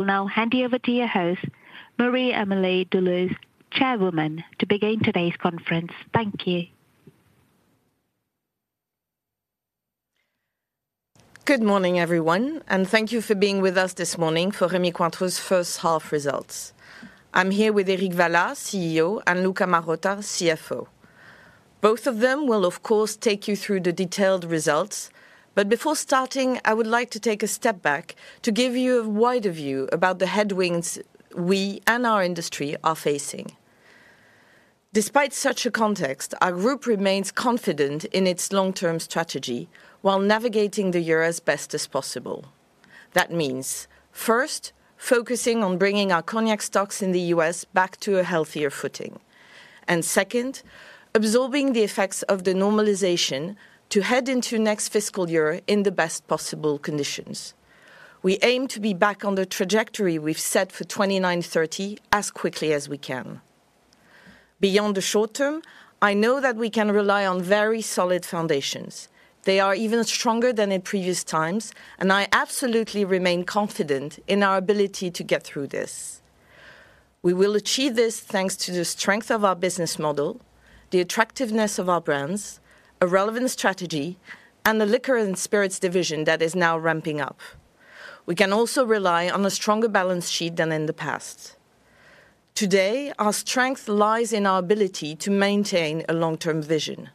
I will now hand you over to your host, Marie-Amélie de Leusse, Chairwoman, to begin today's conference. Thank you. Good morning, everyone, and thank you for being with us this morning for Rémy Cointreau's first half results. I'm here with Éric Vallat, CEO, and Luca Marotta, CFO. Both of them will, of course, take you through the detailed results. But before starting, I would like to take a step back to give you a wider view about the headwinds we and our industry are facing. Despite such a context, our group remains confident in its long-term strategy while navigating the year as best as possible. That means, first, focusing on bringing our Cognac stocks in the U.S. back to a healthier footing, and second, absorbing the effects of the normalization to head into next fiscal year in the best possible conditions. We aim to be back on the trajectory we've set for 2029/30 as quickly as we can. Beyond the short term, I know that we can rely on very solid foundations. They are even stronger than in previous times, and I absolutely remain confident in our ability to get through this. We will achieve this thanks to the strength of our business model, the attractiveness of our brands, a relevant strategy, and the liquor and spirits division that is now ramping up. We can also rely on a stronger balance sheet than in the past. Today, our strength lies in our ability to maintain a long-term vision.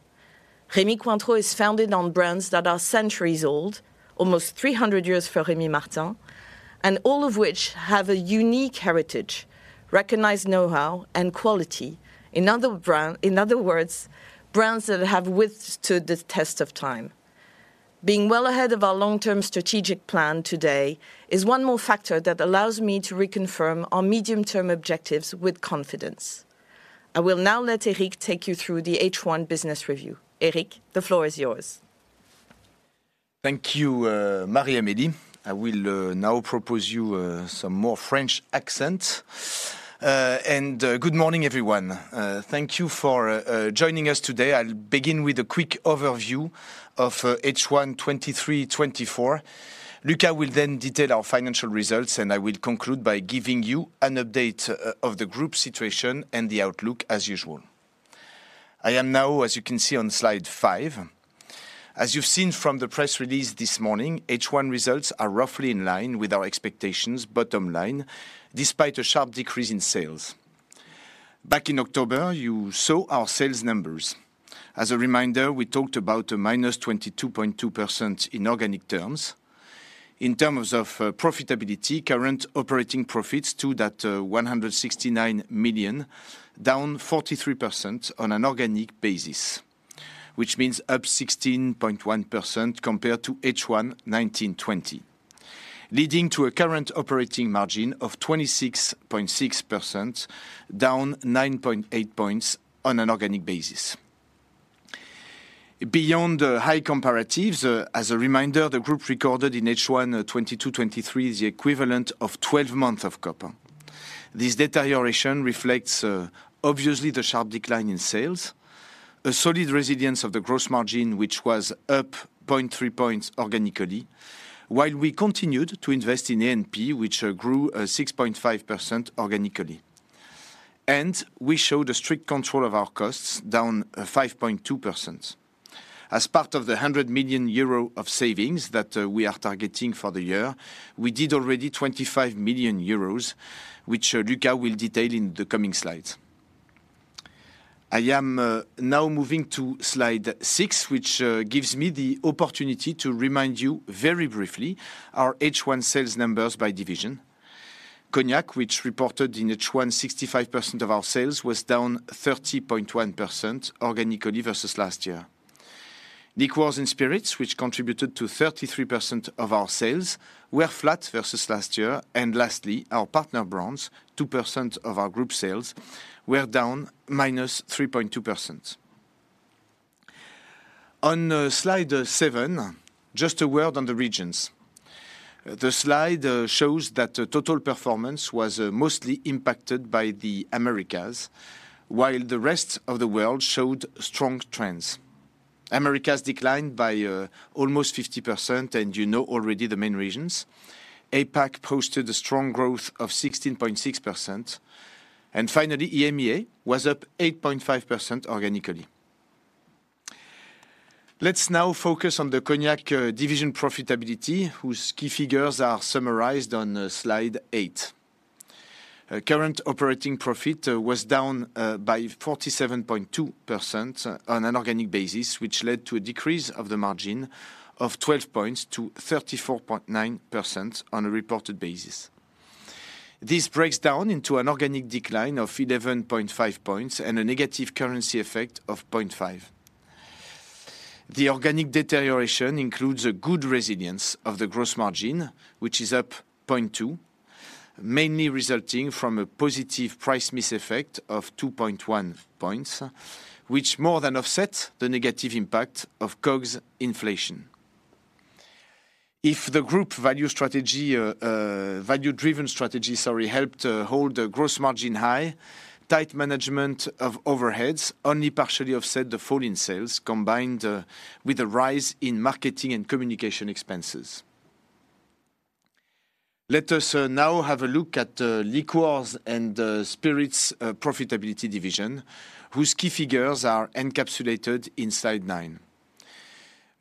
Rémy Cointreau is founded on brands that are centuries old, almost three hundred years for Rémy Martin, and all of which have a unique heritage, recognized know-how, and quality. In other words, brands that have withstood the test of time. Being well ahead of our long-term strategic plan today is one more factor that allows me to reconfirm our medium-term objectives with confidence. I will now let Éric take you through the H1 business review. Éric, the floor is yours. Thank you, Marie-Amélie. I will now propose you some more French accent. Good morning, everyone. Thank you for joining us today. I'll begin with a quick overview of H1 2023-2024. Luca will then detail our financial results, and I will conclude by giving you an update of the group situation and the outlook as usual. I am now, as you can see on slide five, as you've seen from the press release this morning, H1 results are roughly in line with our expectations, bottom line, despite a sharp decrease in sales. Back in October, you saw our sales numbers. As a reminder, we talked about a -22.2% in organic terms. In terms of profitability, current operating profits stood at 169 million, down 43% on an organic basis, which means up 16.1% compared to H1 2019/20, leading to a current operating margin of 26.6%, down 9.8 points on an organic basis. Beyond the high comparatives, as a reminder, the group recorded in H1 2022/2023 the equivalent of twelve months of COP. This deterioration reflects, obviously, the sharp decline in sales, a solid resilience of the gross margin, which was up 0.3 points organically, while we continued to invest in A&P, which grew 6.5% organically. And we showed a strict control of our costs, down 5.2%. As part of the 100 million euro of savings that we are targeting for the year, we did already 25 million euros, which Luca will detail in the coming slides. I am now moving to slide six, which gives me the opportunity to remind you very briefly our H1 sales numbers by division. Cognac, which reported in H1 65% of our sales, was down 30.1% organically versus last year. Liqueurs and spirits, which contributed to 33% of our sales, were flat versus last year. And lastly, our partner brands, 2% of our group sales, were down -3.2%. On slide seven, just a word on the regions. The slide shows that the total performance was mostly impacted by the Americas, while the rest of the world showed strong trends. Americas declined by almost 50%, and you know already the main reasons. APAC posted a strong growth of 16.6%, and finally, EMEA was up 8.5% organically. Let's now focus on the Cognac division profitability, whose key figures are summarized on slide eight. Current operating profit was down by 47.2% on an organic basis, which led to a decrease of the margin of 12 points to 34.9% on a reported basis. This breaks down into an organic decline of 11.5 points and a negative currency effect of 0.5. The organic deterioration includes a good resilience of the gross margin, which is up 0.2, mainly resulting from a positive price mix effect of 2.1 points, which more than offsets the negative impact of COGS inflation. If the group value strategy, value-driven strategy, sorry, helped hold the gross margin high, tight management of overheads only partially offset the fall in sales, combined with a rise in marketing and communication expenses. Let us now have a look at liqueurs and spirits profitability division, whose key figures are encapsulated in slide nine.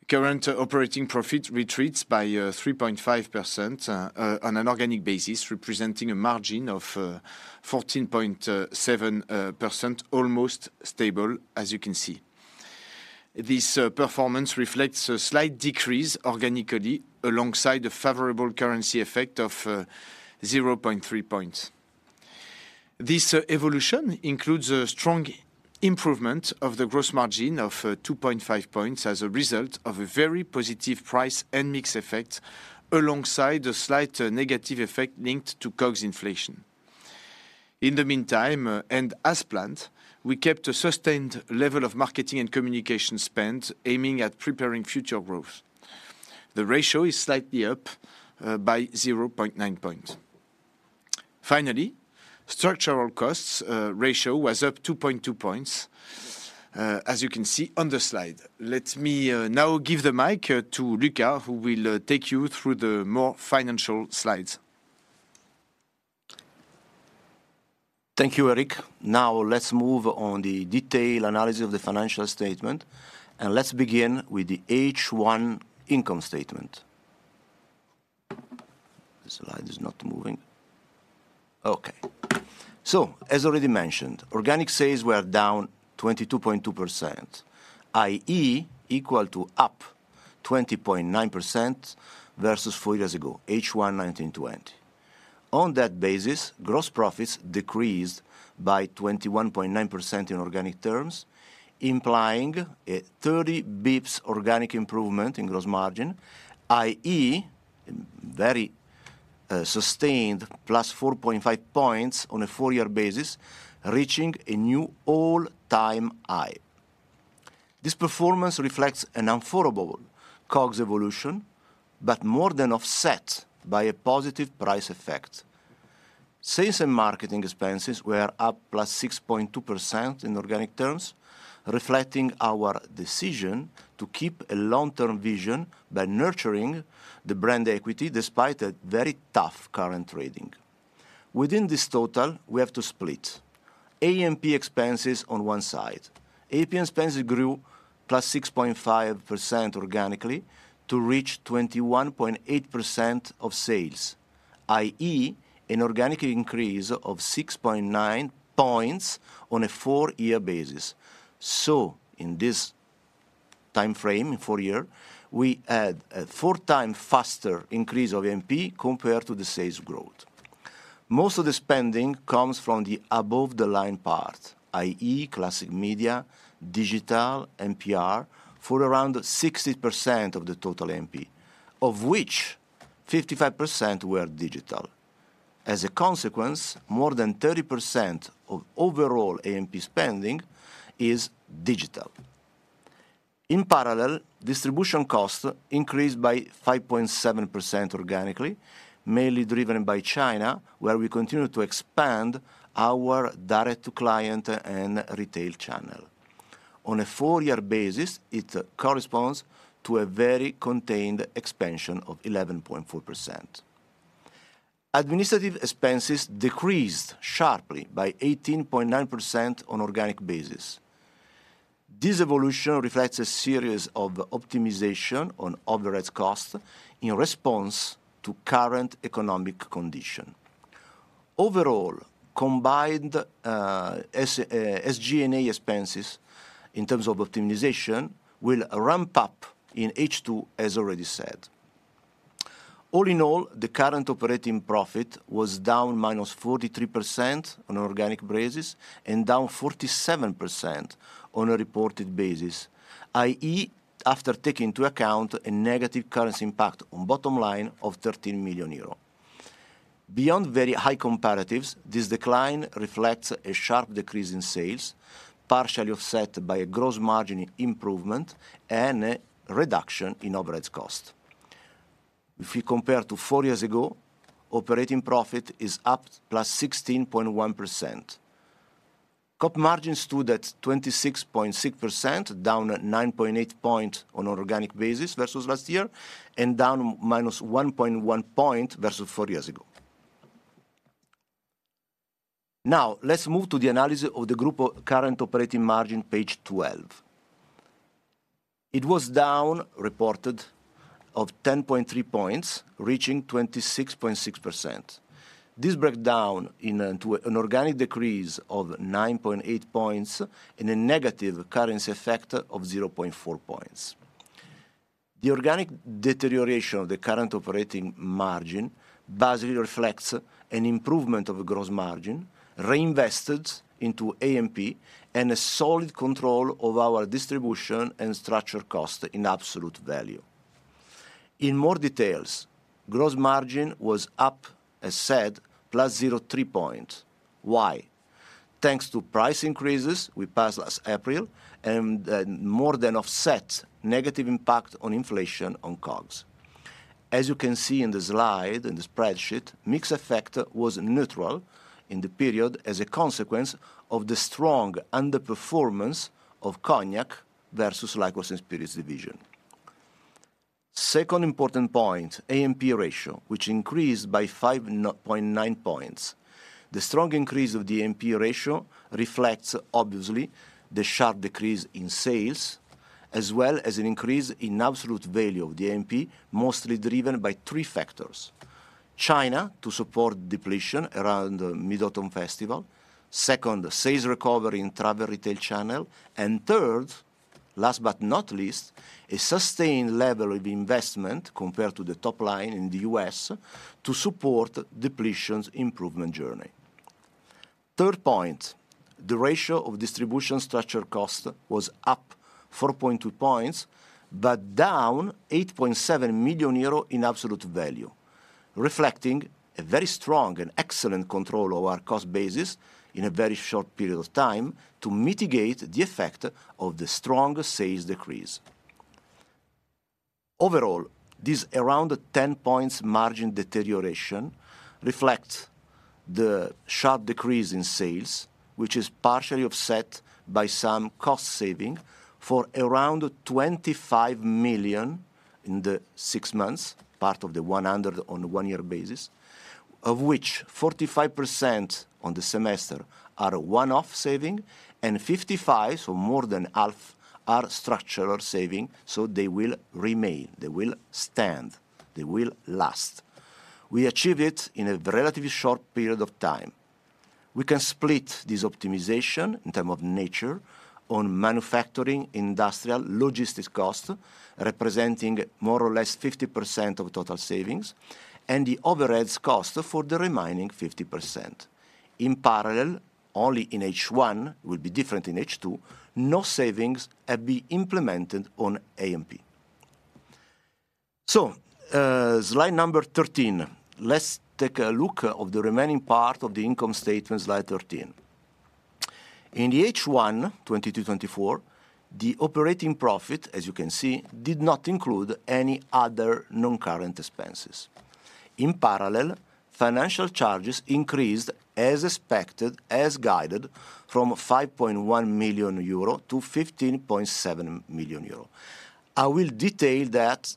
Current operating profit retreats by 3.5% on an organic basis, representing a margin of 14.7%, almost stable as you can see. This performance reflects a slight decrease organically, alongside a favorable currency effect of 0.3 points. This evolution includes a strong improvement of the gross margin of 2.5 points as a result of a very positive price and mix effect, alongside a slight negative effect linked to COGS inflation. In the meantime, and as planned, we kept a sustained level of marketing and communication spend, aiming at preparing future growth. The ratio is slightly up, by 0.9 points. Finally, structural costs ratio was up 2.2 points, as you can see on the slide. Let me now give the mic to Luca, who will take you through the more financial slides. Thank you, Éric. Now let's move on to the detailed analysis of the financial statement, and let's begin with the H1 income statement. The slide is not moving. Okay. As already mentioned, organic sales were down 22.2%, i.e., equal to up 20.9% versus four years ago, H1 2019-2020. On that basis, gross profits decreased by 21.9% in organic terms, implying a 30 basis points organic improvement in gross margin, i.e., very sustained +4.5 points on a four-year basis, reaching a new all-time high. This performance reflects an unfavorable COGS evolution, but more than offset by a positive price effect. Sales and marketing expenses were up +6.2% in organic terms, reflecting our decision to keep a long-term vision by nurturing the brand equity, despite a very tough current trading. Within this total, we have to split. AMP expenses on one side. AMP expenses grew +6.5% organically to reach 21.8% of sales, i.e., an organic increase of 6.9 points on a four-year basis. So in this timeframe, in four-year, we had a 4 times faster increase of AMP compared to the sales growth. Most of the spending comes from the above-the-line part, i.e., classic media, digital, and PR, for around 60% of the total AMP, of which 55% were digital. As a consequence, more than 30% of overall AMP spending is digital. In parallel, distribution costs increased by 5.7% organically, mainly driven by China, where we continue to expand our direct-to-client and retail channel. On a four-year basis, it corresponds to a very contained expansion of 11.4%. Administrative expenses decreased sharply by 18.9% on organic basis. This evolution reflects a series of optimization on overhead costs in response to current economic condition. Overall, combined, SG&A expenses, in terms of optimization, will ramp up in H2, as already said. All in all, the current operating profit was down -43% on an organic basis and down 47% on a reported basis, i.e., after taking into account a negative currency impact on bottom line of 13 million euro. Beyond very high comparatives, this decline reflects a sharp decrease in sales, partially offset by a gross margin improvement and a reduction in overhead costs. If you compare to four years ago, operating profit is up +16.1%. COP margin stood at 26.6%, down 9.8 points on an organic basis versus last year, and down -1.1 points versus four years ago. Now, let's move to the analysis of the group current operating margin, page 12. It was down, reported, 10.3 points, reaching 26.6%. This breakdown to an organic decrease of 9.8 points and a negative currency effect of 0.4 points. The organic deterioration of the current operating margin basically reflects an improvement of gross margin reinvested into AMP and a solid control of our distribution and structure cost in absolute value. In more details, gross margin was up, as said, +0.3 points. Why? Thanks to price increases we passed last April and more than offset negative impact on inflation on COGS. As you can see in the slide, in the spreadsheet, mix effect was neutral in the period as a consequence of the strong underperformance of Cognac versus liquors and spirits division. Second important point, A&P ratio, which increased by 5.9 points. The strong increase of the A&P ratio reflects, obviously, the sharp decrease in sales, as well as an increase in absolute value of the A&P, mostly driven by three factors: China, to support depletions around the Mid-Autumn Festival; second, the sales recovery in travel retail channel; and third, last but not least, a sustained level of investment compared to the top line in the U.S. to support depletions improvement journey. Third point, the ratio of distribution structure cost was up 4.2 points, but down 8.7 million euro in absolute value, reflecting a very strong and excellent control of our cost basis in a very short period of time to mitigate the effect of the strong sales decrease. Overall, this around the 10 points margin deterioration reflects the sharp decrease in sales, which is partially offset by some cost saving for around 25 million in the six months, part of the 100 million on a one-year basis, of which 45% on the semester are a one-off saving, and 55, so more than half, are structural saving, so they will remain, they will stand, they will last. We achieve it in a relatively short period of time. We can split this optimization, in terms of nature, on manufacturing, industrial, logistics costs, representing more or less 50% of total savings, and the overhead costs for the remaining 50%. In parallel, only in H1 will be different in H2. No savings have been implemented on A&P. So, slide number 13. Let's take a look at the remaining part of the income statement, slide 13. In the H1 2023-2024, the operating profit, as you can see, did not include any other non-current expenses. In parallel, financial charges increased, as expected, as guided, from 5.1 million euro to 15.7 million euro. I will detail that,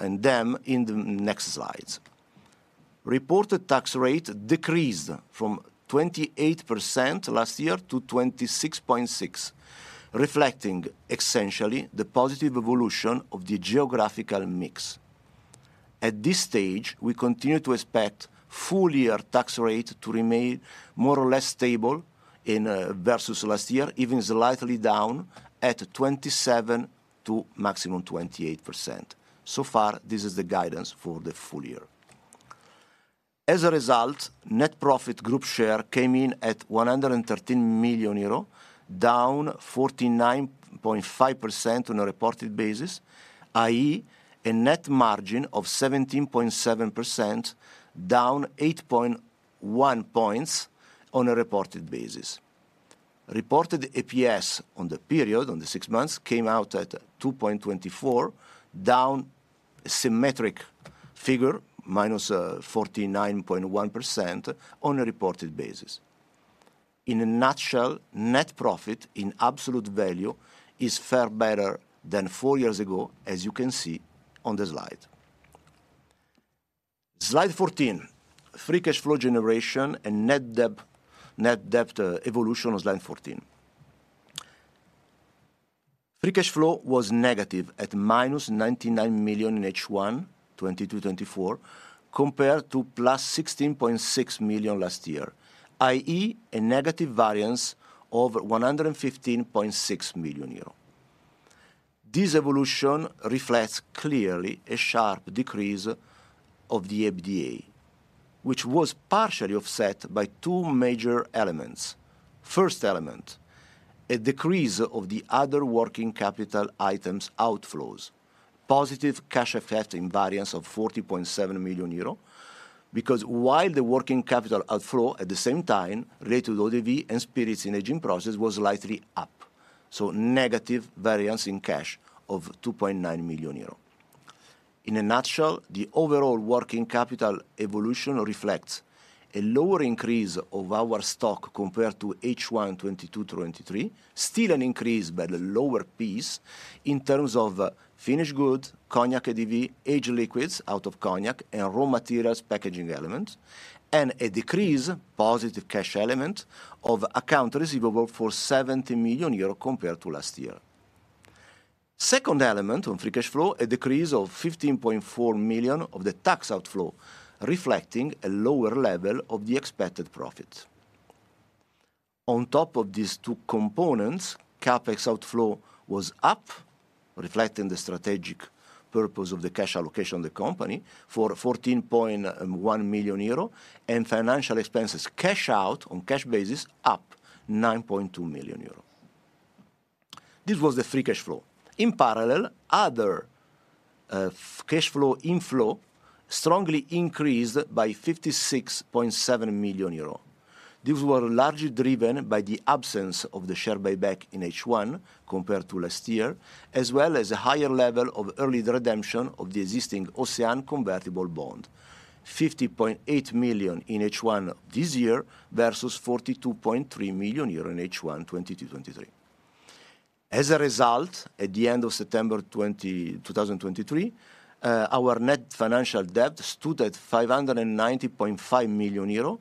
and then in the next slides. Reported tax rate decreased from 28% last year to 26.6%, reflecting essentially the positive evolution of the geographical mix. At this stage, we continue to expect full year tax rate to remain more or less stable in, versus last year, even slightly down at 27% to maximum 28%. So far, this is the guidance for the full year. As a result, net profit group share came in at 113 million euro, down 49.5% on a reported basis, i.e., a net margin of 17.7%, down 8.1 points on a reported basis. Reported EPS on the period, on the six months, came out at 2.24, down symmetric figure, minus, 49.1% on a reported basis. In a nutshell, net profit in absolute value is far better than 4 years ago, as you can see on the slide. Slide 14, free cash flow generation and net debt, net debt, evolution on slide 14. Free cash flow was negative at -99 million in H1 2024, compared to +16.6 million last year, i.e., a negative variance of 115.6 million euro. This evolution reflects clearly a sharp decrease of the EBITDA, which was partially offset by two major elements. First element, a decrease of the other working capital items outflows. Positive cash effect in variance of 40.7 million euro, because while the working capital outflow, at the same time, related to eaux-de-vie and spirits in aging process was slightly up, so negative variance in cash of 2.9 million euro. In a nutshell, the overall working capital evolution reflects a lower increase of our stock compared to H1 2023. Still an increase, but a lower piece in terms of finished goods, Cognac ADV, aged liquids out of Cognac and raw materials packaging element, and a decrease, positive cash element, of accounts receivable for 70 million euro compared to last year. Second element on free cash flow, a decrease of 15.4 million of the tax outflow, reflecting a lower level of the expected profit. On top of these two components, CapEx outflow was up, reflecting the strategic purpose of the cash allocation of the company for 14.1 million euro, and financial expenses, cash out on cash basis, up 9.2 million euro. This was the free cash flow. In parallel, other cash flow inflow strongly increased by 56.7 million euro. These were largely driven by the absence of the share buyback in H1 compared to last year, as well as a higher level of early redemption of the existing OCÉANE convertible bond, 50.8 million in H1 this year, versus 42.3 million euro in H1 2022-2023. As a result, at the end of September 2023, our net financial debt stood at 590.5 million euro,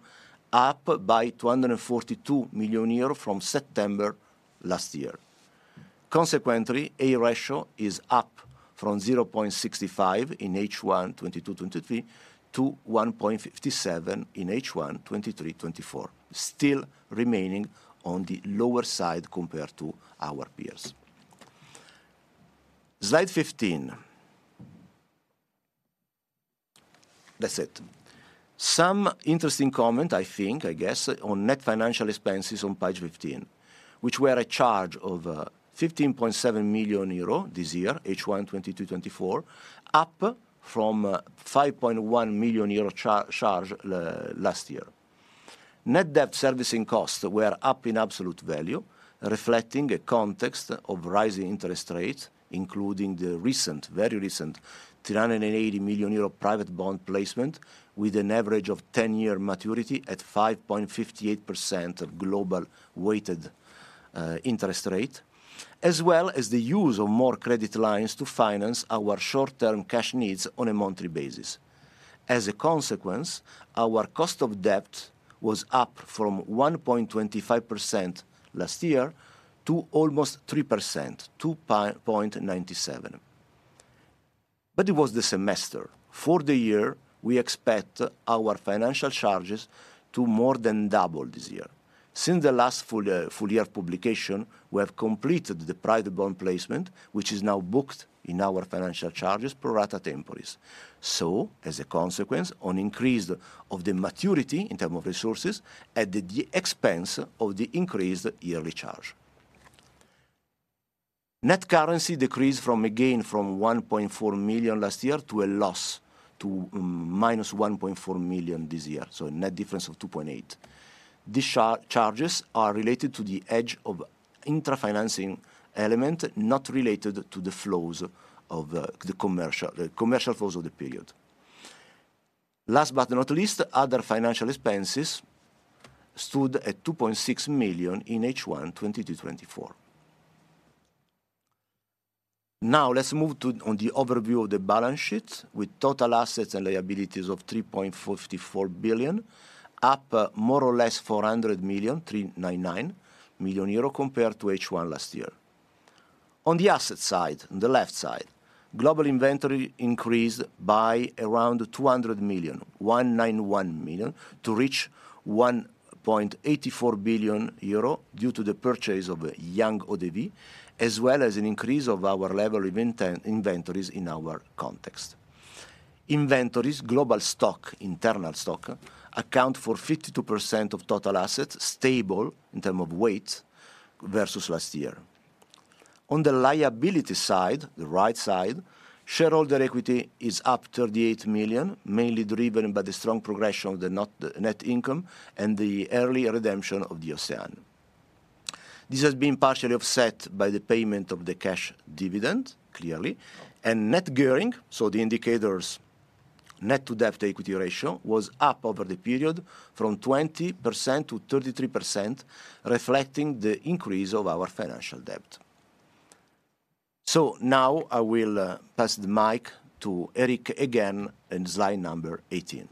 up by 242 million euro from September last year. Consequently, a ratio is up from 0.65 in H1 2022-2023 to 1.57 in H1 2023-2024, still remaining on the lower side compared to our peers. Slide 15. That's it. Some interesting comment, I think, I guess, on net financial expenses on page 15, which were a charge of 15.7 million euro this year, H1 2022-2024, up from five point one million euro charge last year. Net debt servicing costs were up in absolute value, reflecting a context of rising interest rates, including the recent, very recent, 380 million euro private bond placement, with an average of 10-year maturity at 5.58% global weighted interest rate, as well as the use of more credit lines to finance our short-term cash needs on a monthly basis. As a consequence, our cost of debt was up from 1.25% last year to almost 3%, 2.97%. But it was the semester. For the year, we expect our financial charges to more than double this year. Since the last full year publication, we have completed the private bond placement, which is now booked in our financial charges pro rata temporis. So, as a consequence, an increase of the maturity in terms of resources at the expense of the increased yearly charge. Net currency decreased from a gain of 1.4 million last year to a loss of -1.4 million this year, so a net difference of 2.8 million. These charges are related to the hedge of intra-financing element, not related to the flows of the commercial flows of the period. Last but not least, other financial expenses stood at 2.6 million in H1 2024. Now, let's move to, on the overview of the balance sheet, with total assets and liabilities of 3.54 billion, up more or less 400 million, 399 million euro, compared to H1 last year. On the asset side, on the left side, global inventory increased by around 200 million, 191 million, to reach 1.84 billion euro due to the purchase of young eaux-de-vie, as well as an increase of our level of inventories in our context. Inventories, global stock, internal stock, account for 52% of total assets, stable in terms of weight versus last year. On the liability side, the right side, shareholder equity is up 38 million, mainly driven by the strong progression of the net income and the early redemption of the OCÉANE. This has been partially offset by the payment of the cash dividend, clearly, and net gearing, so the indicator, net debt-to-equity ratio, was up over the period from 20%-33%, reflecting the increase of our financial debt. So now I will pass the mic to Éric again on slide number 18.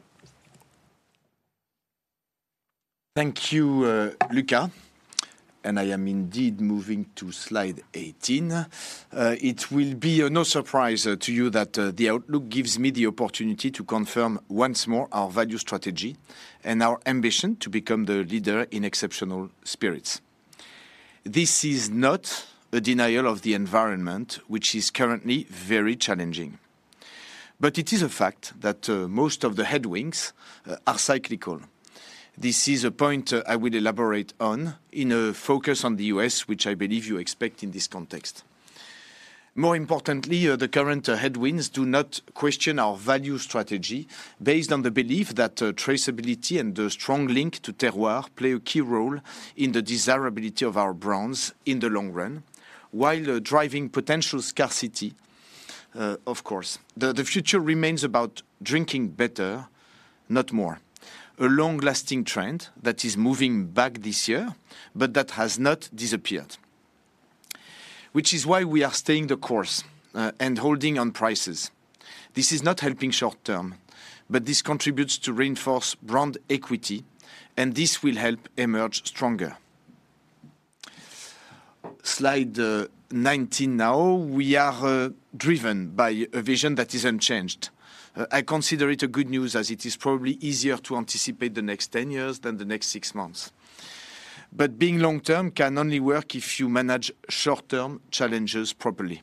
Thank you, Luca, and I am indeed moving to slide 18. It will be of no surprise to you that the outlook gives me the opportunity to confirm once more our value strategy and our ambition to become the leader in exceptional spirits. This is not a denial of the environment, which is currently very challenging, but it is a fact that most of the headwinds are cyclical. This is a point I will elaborate on in a focus on the U.S., which I believe you expect in this context. More importantly, the current headwinds do not question our value strategy, based on the belief that traceability and the strong link to terroir play a key role in the desirability of our brands in the long run, while driving potential scarcity. Of course, the future remains about drinking better, not more. A long-lasting trend that is moving back this year, but that has not disappeared, which is why we are staying the course, and holding on prices. This is not helping short term, but this contributes to reinforce brand equity, and this will help emerge stronger. Slide 19 now. We are driven by a vision that is unchanged. I consider it a good news, as it is probably easier to anticipate the next ten years than the next six months. But being long term can only work if you manage short-term challenges properly.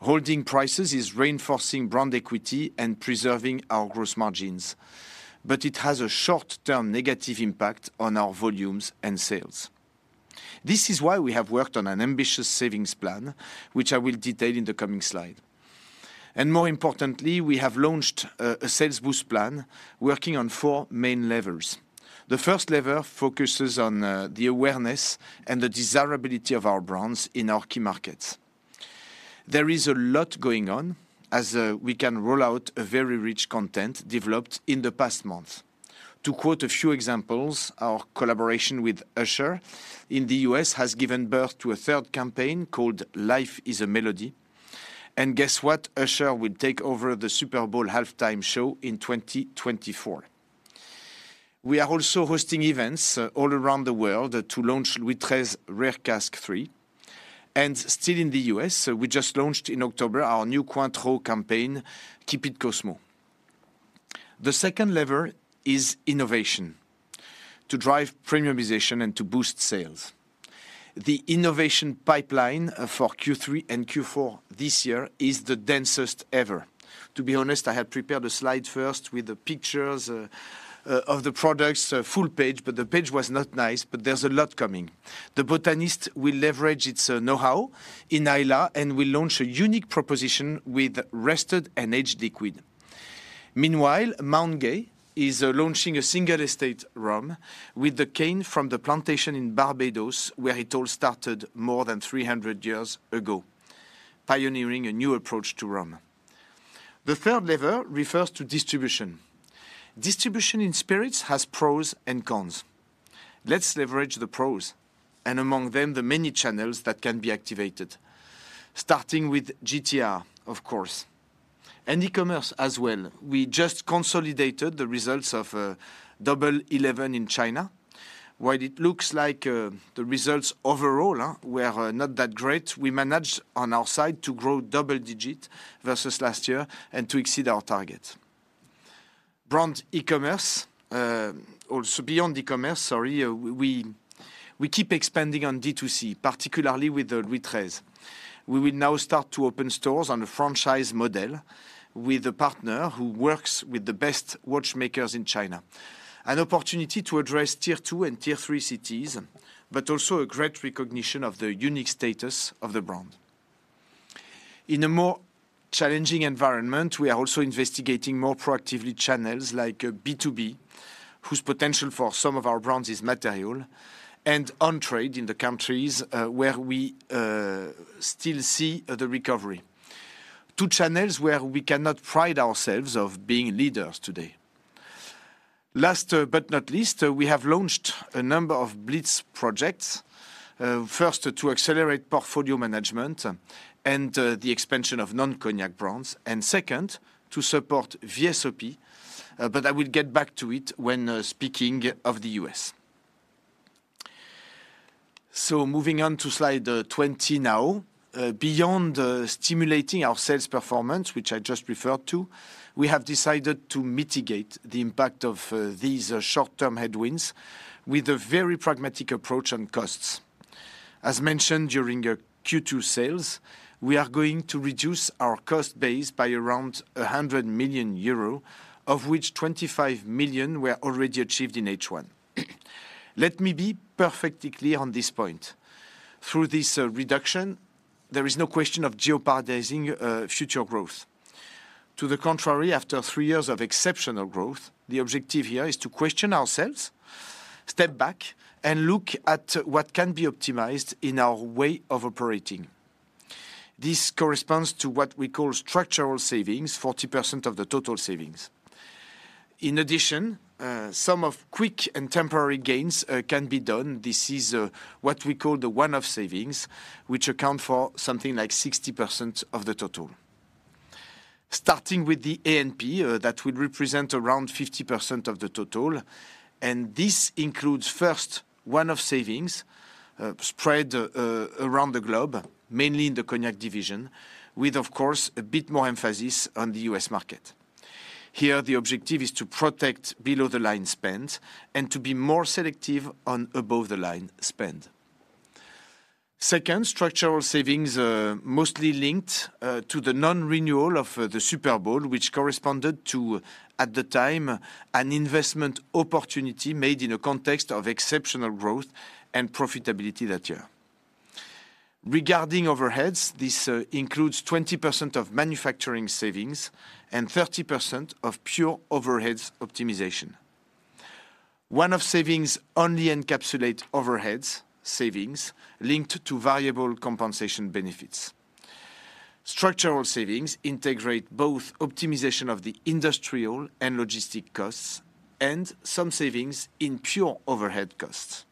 Holding prices is reinforcing brand equity and preserving our gross margins, but it has a short-term negative impact on our volumes and sales. This is why we have worked on an ambitious savings plan, which I will detail in the coming slide. And more importantly, we have launched a sales boost plan working on four main levels. The first level focuses on the awareness and the desirability of our brands in our key markets. There is a lot going on, as we can roll out a very rich content developed in the past month. To quote a few examples, our collaboration with Usher in the U.S. has given birth to a third campaign called Life is a Melody. And guess what? Usher will take over the Super Bowl halftime show in 2024. We are also hosting events all around the world to launch LOUIS XIII Rare Cask Three. And still in the U.S., we just launched in October, our new Cointreau campaign, Keep it Cosmo. The second lever is innovation, to drive premiumization and to boost sales. The innovation pipeline for Q3 and Q4 this year is the densest ever. To be honest, I had prepared a slide first with the pictures of the products full page, but the page was not nice, but there's a lot coming. The Botanist will leverage its know-how in Islay, and will launch a unique proposition with rested and aged liquid. Meanwhile, Mount Gay is launching a single estate rum with the cane from the plantation in Barbados, where it all started more than 300 years ago, pioneering a new approach to rum. The third lever refers to distribution. Distribution in spirits has pros and cons. Let's leverage the pros, and among them, the many channels that can be activated, starting with GTR, of course, and e-commerce as well. We just consolidated the results of Double Eleven in China. While it looks like the results overall were not that great, we managed on our side to grow double-digit versus last year and to exceed our target. Brand e-commerce, also beyond e-commerce, sorry, we keep expanding on D2C, particularly with the LOUIS XIII. We will now start to open stores on a franchise model with a partner who works with the best watchmakers in China. An opportunity to address Tier-2 and Tier-3 cities, but also a great recognition of the unique status of the brand. In a more challenging environment, we are also investigating more proactively channels like B2B, whose potential for some of our brands is material, and on-trade in the countries where we still see the recovery. Two channels where we cannot pride ourselves on being leaders today. Last, but not least, we have launched a number of blitz projects. First, to accelerate portfolio management and the expansion of non-Cognac brands, and second, to support VSOP, but I will get back to it when speaking of the U.S. So moving on to slide 20 now. Beyond stimulating our sales performance, which I just referred to, we have decided to mitigate the impact of these short-term headwinds with a very pragmatic approach on costs. As mentioned, during our Q2 sales, we are going to reduce our cost base by around 100 million euro, of which 25 million were already achieved in H1. Let me be perfectly clear on this point. Through this reduction, there is no question of jeopardizing future growth. To the contrary, after three years of exceptional growth, the objective here is to question ourselves, step back, and look at what can be optimized in our way of operating. This corresponds to what we call structural savings, 40% of the total savings. In addition, some of quick and temporary gains can be done. This is what we call the one-off savings, which account for something like 60% of the total. Starting with the ANP, that will represent around 50% of the total, and this includes, first, one-off savings spread around the globe, mainly in the Cognac division, with, of course, a bit more emphasis on the U.S. market. Here, the objective is to protect below-the-line spend and to be more selective on above-the-line spend. Second, structural savings, mostly linked to the non-renewal of the Super Bowl, which corresponded to, at the time, an investment opportunity made in a context of exceptional growth and profitability that year. Regarding overheads, this includes 20% of manufacturing savings and 30% of pure overheads optimization. One-off savings only encapsulate overheads, savings linked to variable compensation benefits. Structural savings integrate both optimization of the industrial and logistic costs, and some savings in pure overhead costs.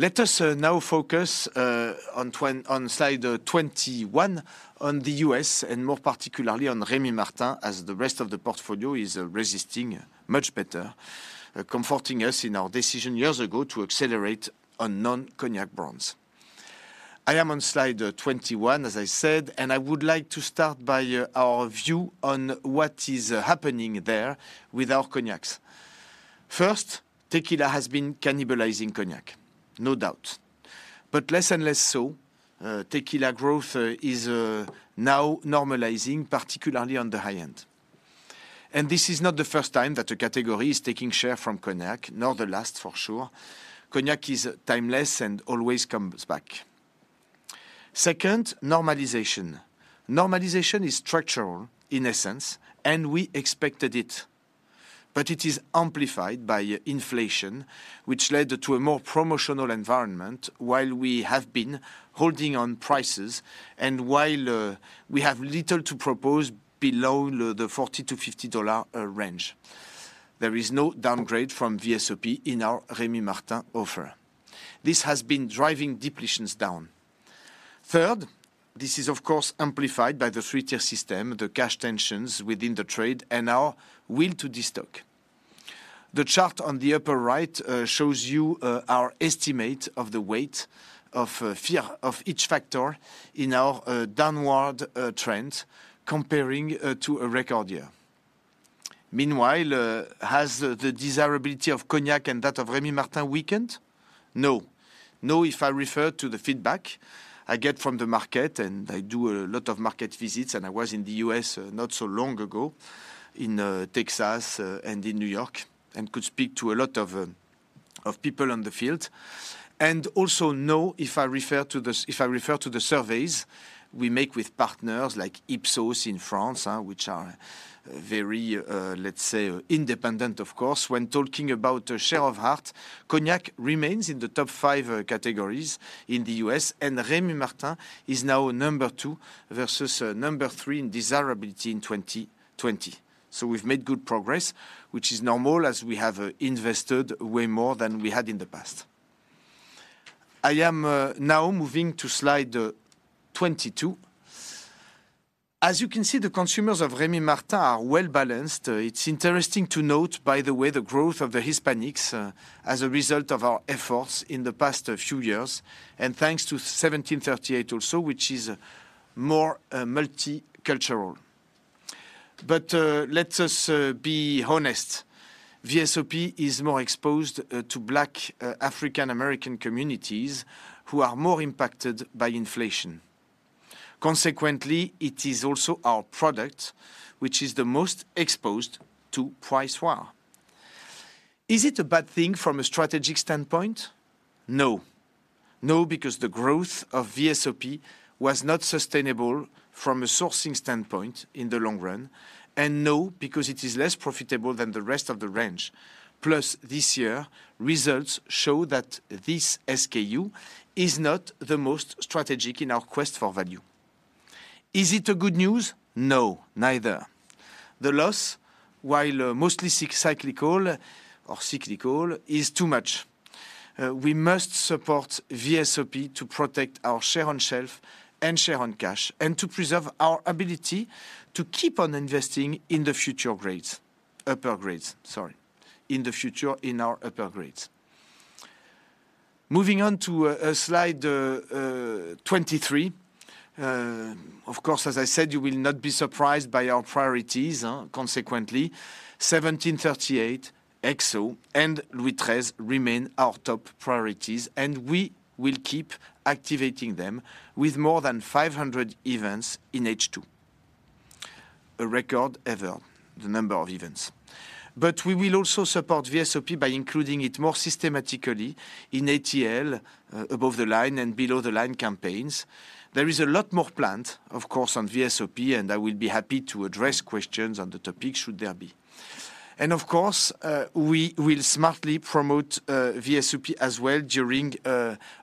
Let us now focus on slide 21, on the US, and more particularly on Rémy Martin, as the rest of the portfolio is resisting much better, comforting us in our decision years ago to accelerate on non-Cognac brands. I am on slide 21, as I said, and I would like to start by our view on what is happening there with our Cognacs. First, tequila has been cannibalizing Cognac. No doubt. But less and less so, tequila growth is now normalizing, particularly on the high end. And this is not the first time that a category is taking share from Cognac, nor the last, for sure. Cognac is timeless and always comes back. Second, normalization. Normalization is structural in essence, and we expected it. But it is amplified by inflation, which led to a more promotional environment while we have been holding on prices and while we have little to propose below the $40-$50 range. There is no downgrade from VSOP in our Rémy Martin offer. This has been driving depletions down. Third, this is, of course, amplified by the three-tier system, the cash tensions within the trade, and our will to destock. The chart on the upper right shows you our estimate of the weight of fear of each factor in our downward trend, comparing to a record year. Meanwhile, has the desirability of Cognac and that of Rémy Martin weakened? No. No, if I refer to the feedback I get from the market, and I do a lot of market visits, and I was in the U.S. not so long ago, in Texas, and in New York, and could speak to a lot of people on the field. And also, if I refer to the surveys we make with partners like Ipsos in France, which are very, let's say, independent, of course, when talking about the share of heart, Cognac remains in the top five categories in the U.S., and Rémy Martin is now number two versus number three in desirability in 2020. So we've made good progress, which is normal, as we have invested way more than we had in the past. I am now moving to slide 22. As you can see, the consumers of Rémy Martin are well-balanced. It's interesting to note, by the way, the growth of the Hispanics, as a result of our efforts in the past few years, and thanks to 1738 also, which is more multicultural. But, let us be honest, VSOP is more exposed to Black, African-American communities, who are more impacted by inflation. Consequently, it is also our product, which is the most exposed to price war. Is it a bad thing from a strategic standpoint? No. No, because the growth of VSOP was not sustainable from a sourcing standpoint in the long run, and no, because it is less profitable than the rest of the range. Plus, this year, results show that this SKU is not the most strategic in our quest for value. Is it a good news? No, neither. The loss, while mostly cyclical, or cyclical, is too much. We must support VSOP to protect our share on shelf and share on cash, and to preserve our ability to keep on investing in the future grades, upper grades, sorry, in the future in our upper grades. Moving on to slide 23. Of course, as I said, you will not be surprised by our priorities, huh. Consequently, 1738, XO, and LOUIS XIII remain our top priorities, and we will keep activating them with more than 500 events in H2. A record ever, the number of events. But we will also support VSOP by including it more systematically in ATL, above the line and below the line campaigns. There is a lot more planned, of course, on VSOP, and I will be happy to address questions on the topic, should there be. And of course, we will smartly promote VSOP as well during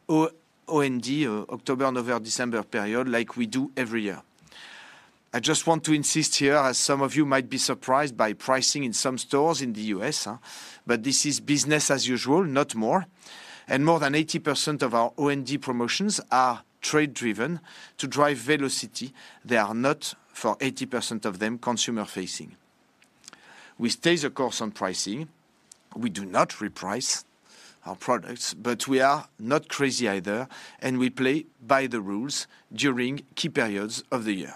OND, October, November, December period, like we do every year. I just want to insist here, as some of you might be surprised by pricing in some stores in the U.S., huh? But this is business as usual, not more. And more than 80% of our OND promotions are trade-driven to drive velocity. They are not, for 80% of them, consumer-facing. We stay the course on pricing. We do not reprice our products, but we are not crazy either, and we play by the rules during key periods of the year.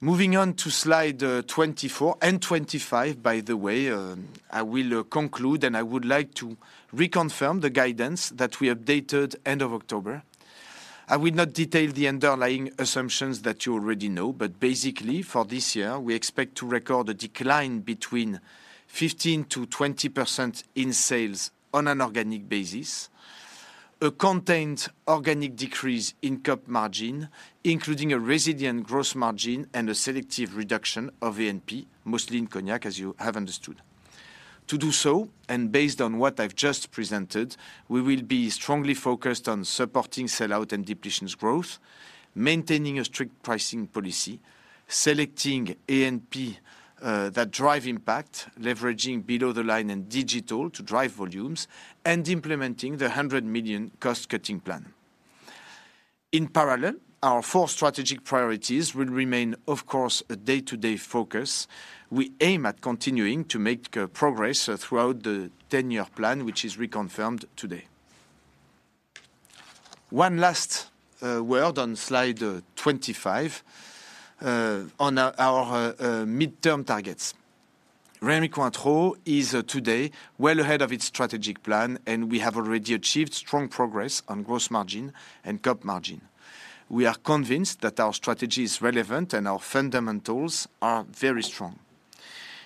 Moving on to slide 24 and 25, by the way, I will conclude, and I would like to reconfirm the guidance that we updated end of October. I will not detail the underlying assumptions that you already know, but basically for this year, we expect to record a decline between 15%-20% in sales on an organic basis, a contained organic decrease in COP margin, including a resilient gross margin and a selective reduction of ANP, mostly in Cognac, as you have understood. To do so, and based on what I've just presented, we will be strongly focused on supporting sell-out and depletions growth, maintaining a strict pricing policy, selecting ANP that drive impact, leveraging below the line and digital to drive volumes, and implementing the 100 million cost-cutting plan. In parallel, our four strategic priorities will remain, of course, a day-to-day focus. We aim at continuing to make progress throughout the 10-year plan, which is reconfirmed today. One last word on slide 25 on our midterm targets. Rémy Cointreau is today well ahead of its strategic plan, and we have already achieved strong progress on gross margin and COP margin. We are convinced that our strategy is relevant and our fundamentals are very strong.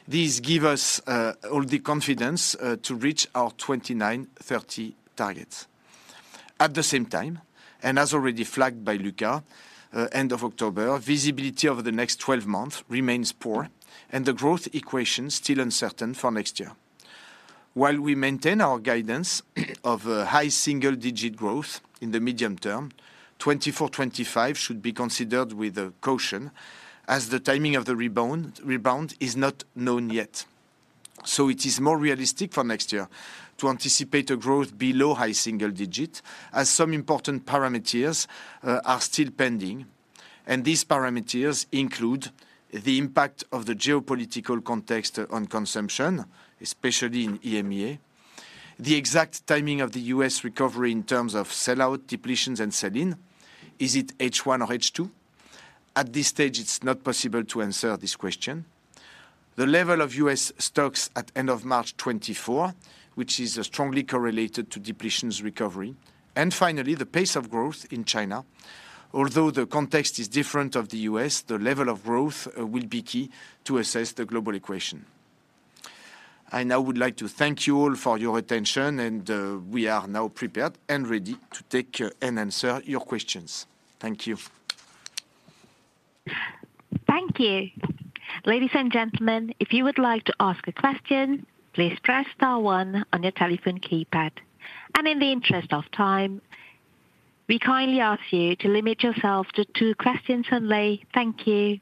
These give us all the confidence to reach our 2029, 2030 targets. At the same time, and as already flagged by Luca, end of October, visibility over the next 12 months remains poor and the growth equation still uncertain for next year. While we maintain our guidance of a high single digit growth in the medium term, 2024, 2025 should be considered with caution as the timing of the rebound is not known yet. So it is more realistic for next year to anticipate a growth below high single digit as some important parameters are still pending. And these parameters include the impact of the geopolitical context on consumption, especially in EMEA. The exact timing of the US recovery in terms of sell-out, depletions and sell-in. Is it H1 or H2? At this stage, it's not possible to answer this question. The level of US stocks at end of March 2024, which is strongly correlated to depletions recovery. And finally, the pace of growth in China. Although the context is different of the US, the level of growth will be key to assess the global equation. I now would like to thank you all for your attention, and we are now prepared and ready to take and answer your questions. Thank you. Thank you. Ladies and gentlemen, if you would like to ask a question, please press star one on your telephone keypad. In the interest of time, we kindly ask you to limit yourself to two questions only. Thank you.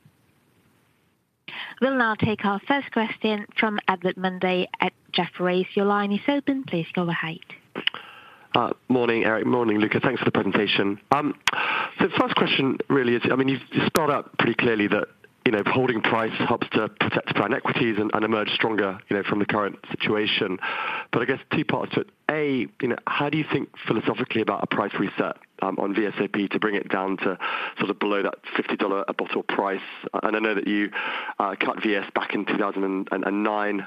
We'll now take our first question from Edward Mundy at Jefferies. Your line is open. Please go ahead. Morning, Éric. Morning, Luca. Thanks for the presentation. So the first question really is, I mean, you've, you spelled out pretty clearly that, you know, holding price helps to protect brand equities and, and emerge stronger, you know, from the current situation. But I guess two parts to it. A, you know, how do you think philosophically about a price reset, on VSOP to bring it down to sort of below that $50 a bottle price? And I know that you, cut VS back in 2009.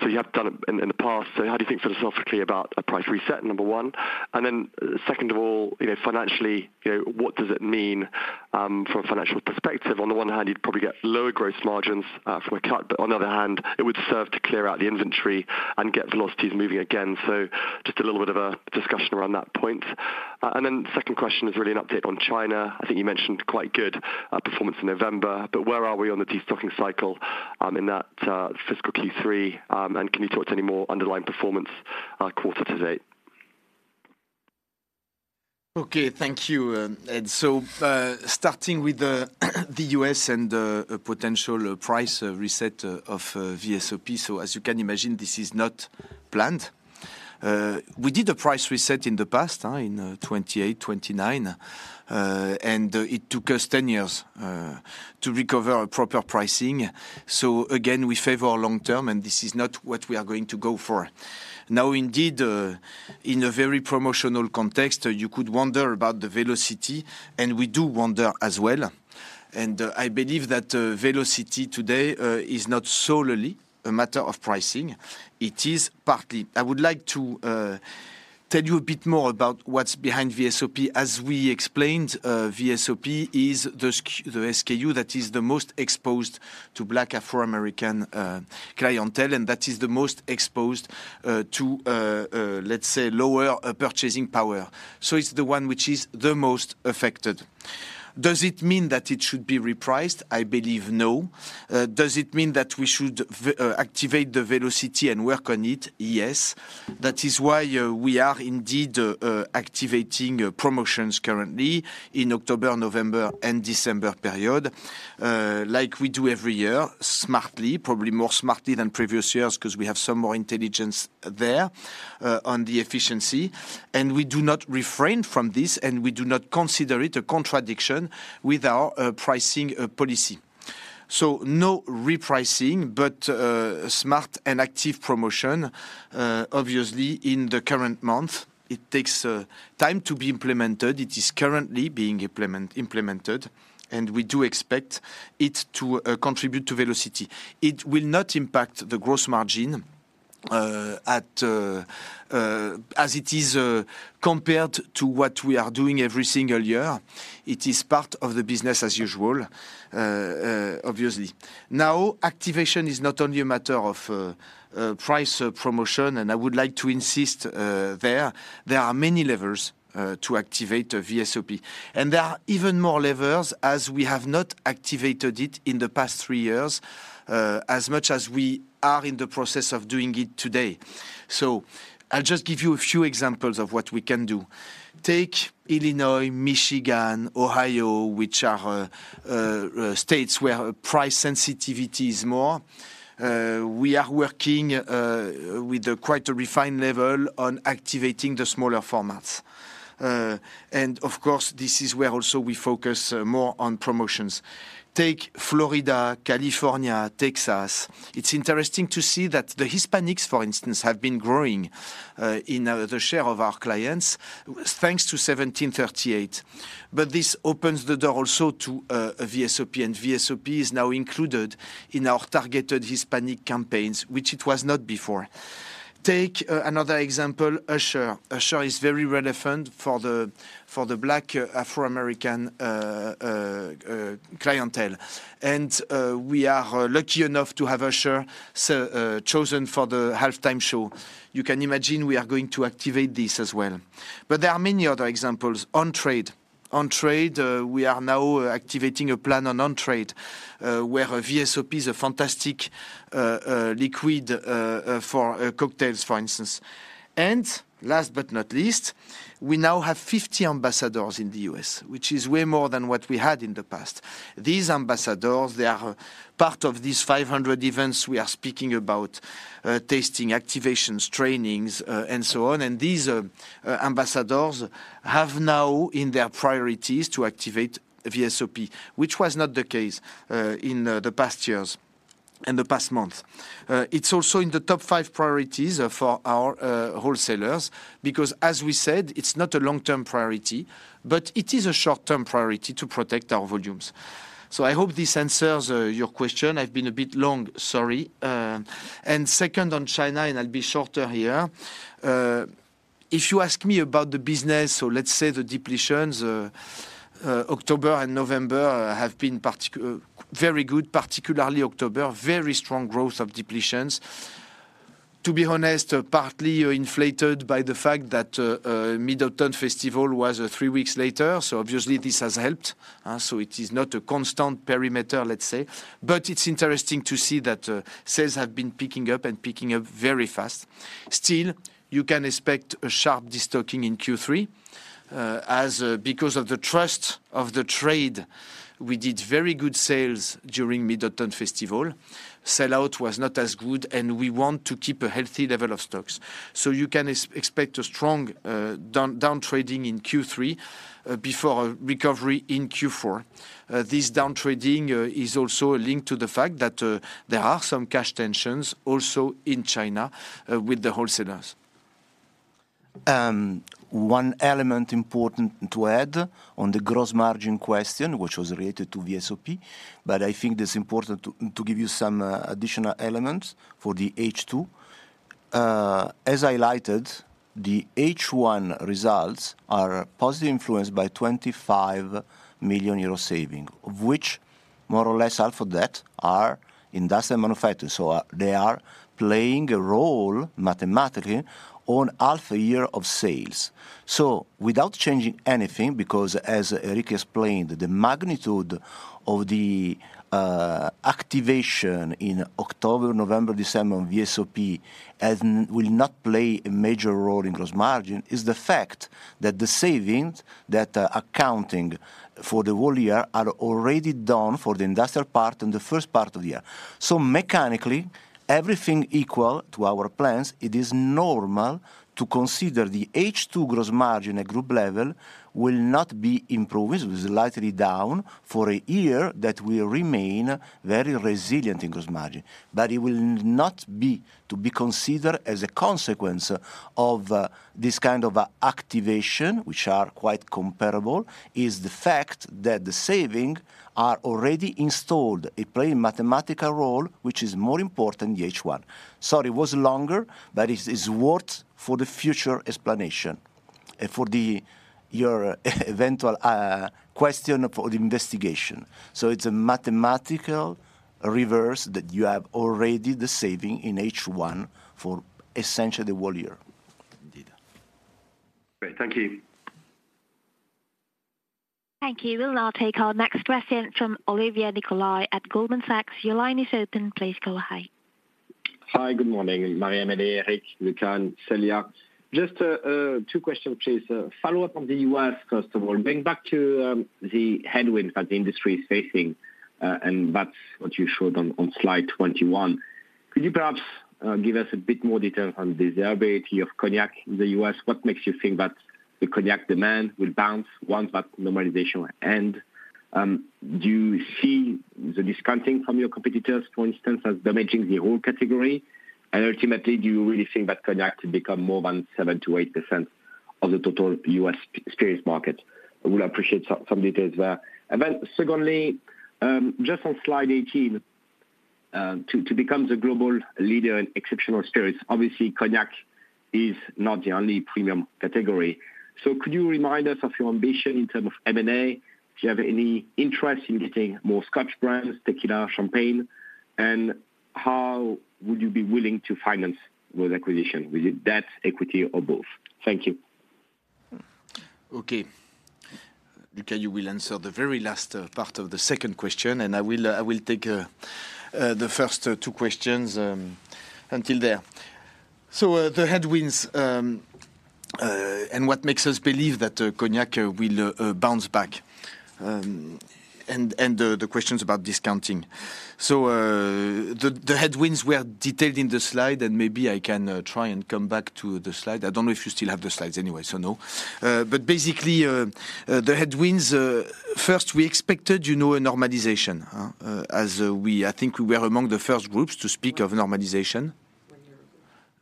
So you have done it in the past. So how do you think philosophically about a price reset, number one? And then second of all, you know, financially, you know, what does it mean, from a financial perspective? On the one hand, you'd probably get lower gross margins from a cut, but on the other hand, it would serve to clear out the inventory and get velocities moving again. So just a little bit of a discussion around that point. And then the second question is really an update on China. I think you mentioned quite good performance in November, but where are we on the destocking cycle in that fiscal Q3? And can you talk to any more underlying performance quarter to date? Okay, thank you, Ed. So, starting with the U.S. and a potential price reset of VSOP. So as you can imagine, this is not planned. We did a price reset in the past, in 28, 29, and it took us 10 years to recover a proper pricing. So again, we favor long term, and this is not what we are going to go for. Now, indeed, in a very promotional context, you could wonder about the velocity, and we do wonder as well. And, I believe that, velocity today, is not solely a matter of pricing. It is partly I would like to tell you a bit more about what's behind VSOP. As we explained, VSOP is the SKU, the SKU that is the most exposed to Black Afro-American clientele, and that is the most exposed to, let's say, lower purchasing power. So it's the one which is the most affected. Does it mean that it should be repriced? I believe no. Does it mean that we should activate the velocity and work on it? Yes. That is why we are indeed activating promotions currently in October, November, and December period, like we do every year, smartly, probably more smartly than previous years, 'cause we have some more intelligence there on the efficiency, and we do not refrain from this, and we do not consider it a contradiction with our pricing policy. So no repricing, but smart and active promotion. Obviously, in the current month, it takes time to be implemented. It is currently being implemented, and we do expect it to contribute to velocity. It will not impact the gross margin, as it is compared to what we are doing every single year. It is part of the business as usual, obviously. Now, activation is not only a matter of price promotion, and I would like to insist, there are many levels to activate a VSOP. And there are even more levels, as we have not activated it in the past three years as much as we are in the process of doing it today. So I'll just give you a few examples of what we can do. Take Illinois, Michigan, Ohio, which are states where price sensitivity is more. We are working with a quite refined level on activating the smaller formats. And of course, this is where also we focus more on promotions. Take Florida, California, Texas. It's interesting to see that the Hispanics, for instance, have been growing in the share of our clients, thanks to 1738. But this opens the door also to a VSOP, and VSOP is now included in our targeted Hispanic campaigns, which it was not before. Take another example, Usher. Usher is very relevant for the Black Afro-American clientele, and we are lucky enough to have Usher so chosen for the halftime show. You can imagine we are going to activate this as well. But there are many other examples on-trade. On-trade, we are now activating a plan on on-trade, where a VSOP is a fantastic liquid for cocktails, for instance. And last but not least, we now have 50 ambassadors in the U.S., which is way more than what we had in the past. These ambassadors, they are part of these 500 events we are speaking about, tasting, activations, trainings, and so on. And these ambassadors have now, in their priorities, to activate VSOP, which was not the case in the past years and the past month. It's also in the top five priorities for our wholesalers, because as we said, it's not a long-term priority, but it is a short-term priority to protect our volumes. So I hope this answers your question. I've been a bit long, sorry. And second, on China, and I'll be shorter here. If you ask me about the business or let's say, the depletions, October and November have been particularly very good, particularly October, very strong growth of depletions. To be honest, partly inflated by the fact that, Mid-Autumn Festival was three weeks later, so obviously this has helped, so it is not a constant perimeter, let's say. But it's interesting to see that, sales have been picking up and picking up very fast. Still, you can expect a sharp destocking in Q3, as, because of the trust of the trade, we did very good sales during Mid-Autumn Festival. Sell-out was not as good, and we want to keep a healthy level of stocks. So you can expect a strong downtrading in Q3 before a recovery in Q4. This downtrading is also linked to the fact that there are some cash tensions also in China with the wholesalers. One element important to add on the gross margin question, which was related to VSOP, but I think it's important to give you some additional elements for the H2. As highlighted, the H1 results are positively influenced by 25 million euro saving, of which more or less half of that are industrial manufacturing. So, they are playing a role mathematically on half a year of sales. So without changing anything, because as Éric explained, the magnitude of the activation in October, November, December of VSOP and will not play a major role in gross margin, is the fact that the savings that are accounting for the whole year are already done for the industrial part in the first part of the year. So, mechanically, everything equal to our plans, it is normal to consider the H2 gross margin at group level will not be improved. It is slightly down for the year, that will remain very resilient in gross margin. But it will not be to be considered as a consequence of this kind of activation, which are quite comparable, is the fact that the savings are already installed. It plays a mathematical role, which is more important in the H1. Sorry, it was longer, but it is worth for the future explanation and for your eventual question for the investigation. So it's a mathematical reverse, that you have already the savings in H1 for essentially the whole year. Indeed. Great. Thank you. Thank you. We'll now take our next question from Olivier Nicolai at Goldman Sachs. Your line is open. Please go ahead. Hi, good morning, Marie-Amélie, Éric, Luca and Céline. Just, two questions, please. Follow up on the U.S., first of all, going back to, the headwinds that the industry is facing, and that's what you showed on, on slide 21. Could you perhaps, give us a bit more detail on the durability of Cognac in the U.S.? What makes you think that the Cognac demand will bounce once that normalization ends? Do you see the discounting from your competitors, for instance, as damaging the whole category? And ultimately, do you really think that Cognac could become more than 7%-8% of the total U.S. premium spirits market? I would appreciate some, some details there. And then secondly, just on slide 18, to, to become the global leader in exceptional spirits, obviously, Cognac is not the only premium category. Could you remind us of your ambition in terms of M&A, if you have any interest in getting more scotch brands, tequila, champagne, and how would you be willing to finance those acquisitions? With debt, equity, or both? Thank you. Okay. Luca, you will answer the very last part of the second question, and I will take the first two questions until there. So, the headwinds and what makes us believe that Cognac will bounce back, and the questions about discounting. So, the headwinds were detailed in the slide, and maybe I can try and come back to the slide. I don't know if you still have the slides anyway, so no. But basically, the headwinds first, we expected, you know, a normalization, huh. As we—I think we are among the first groups to speak of normalization-One year ago.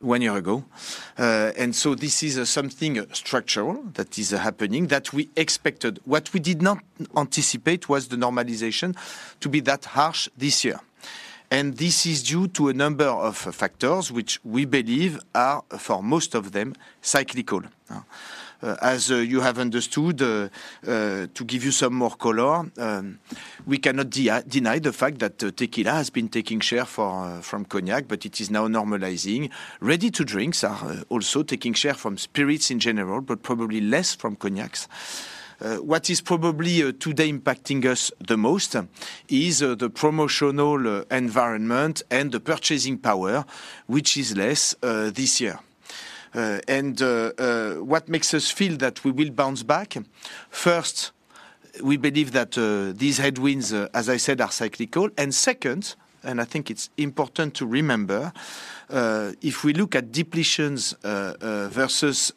One year ago. And so this is something structural that is happening, that we expected. What we did not anticipate was the normalization to be that harsh this year. And this is due to a number of factors, which we believe are, for most of them, cyclical. As you have understood, to give you some more color, we cannot deny the fact that tequila has been taking share from Cognac, but it is now normalizing. Ready-to-drinks are also taking share from spirits in general, but probably less from Cognacs. What is probably today impacting us the most is the promotional environment and the purchasing power, which is less this year. And what makes us feel that we will bounce back? First, we believe that these headwinds, as I said, are cyclical. And second, and I think it's important to remember, if we look at depletions versus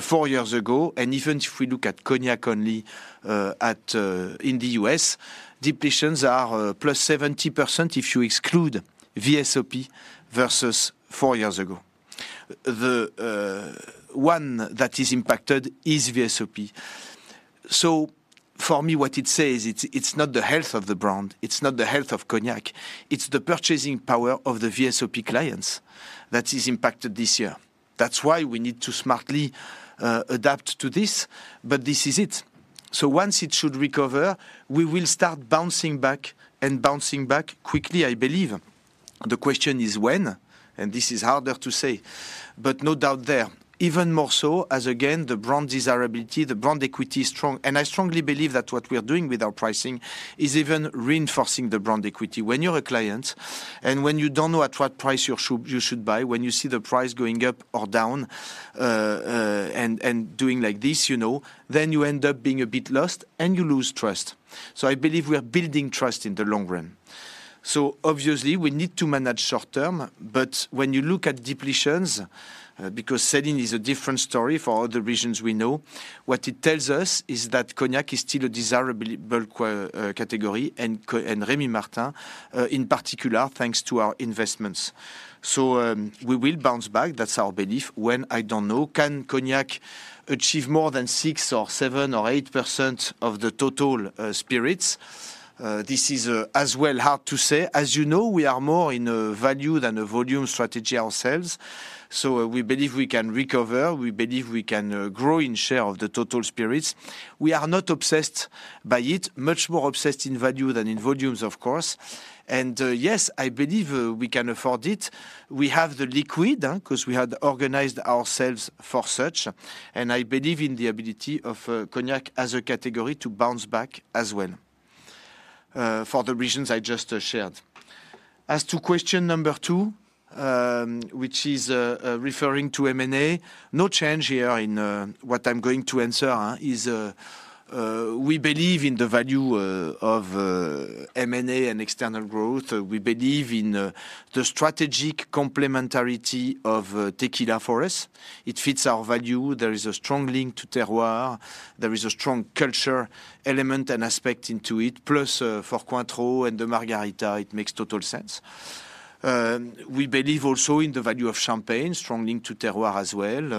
four years ago, and even if we look at Cognac only, in the U.S., depletions are +70% if you exclude VSOP versus four years ago. The one that is impacted is VSOP. So for me, what it says, it's not the health of the brand, it's not the health of Cognac, it's the purchasing power of the VSOP clients that is impacted this year. That's why we need to smartly adapt to this, but this is it. So once it should recover, we will start bouncing back, and bouncing back quickly, I believe. The question is when, and this is harder to say. But no doubt there, even more so as again, the brand desirability, the brand equity is strong. And I strongly believe that what we are doing with our pricing is even reinforcing the brand equity. When you're a client, and when you don't know at what price you should, you should buy, when you see the price going up or down, and, and doing like this, you know, then you end up being a bit lost and you lose trust. So I believe we are building trust in the long run. So obviously, we need to manage short term, but when you look at depletions, because selling is a different story for other regions we know, what it tells us is that Cognac is still a desirable category, and Rémy Martin, in particular, thanks to our investments. So, we will bounce back, that's our belief. When? I don't know. Can Cognac achieve more than 6% or 7% or 8% of the total spirits? This is, as well, hard to say. As you know, we are more in a value than a volume strategy ourselves, so we believe we can recover, we believe we can grow in share of the total spirits. We are not obsessed by it, much more obsessed in value than in volumes, of course. Yes, I believe we can afford it. We have the liquid, 'cause we had organized ourselves for such, and I believe in the ability of Cognac as a category to bounce back as well, for the reasons I just shared. As to question number two, which is referring to M&A, no change here in. What I'm going to answer is we believe in the value of M&A and external growth. We believe in the strategic complementarity of tequila for us. It fits our value. There is a strong link to terroir. There is a strong culture, element, and aspect into it. Plus, for Cointreau and the Margarita, it makes total sense. We believe also in the value of champagne, strong link to terroir as well,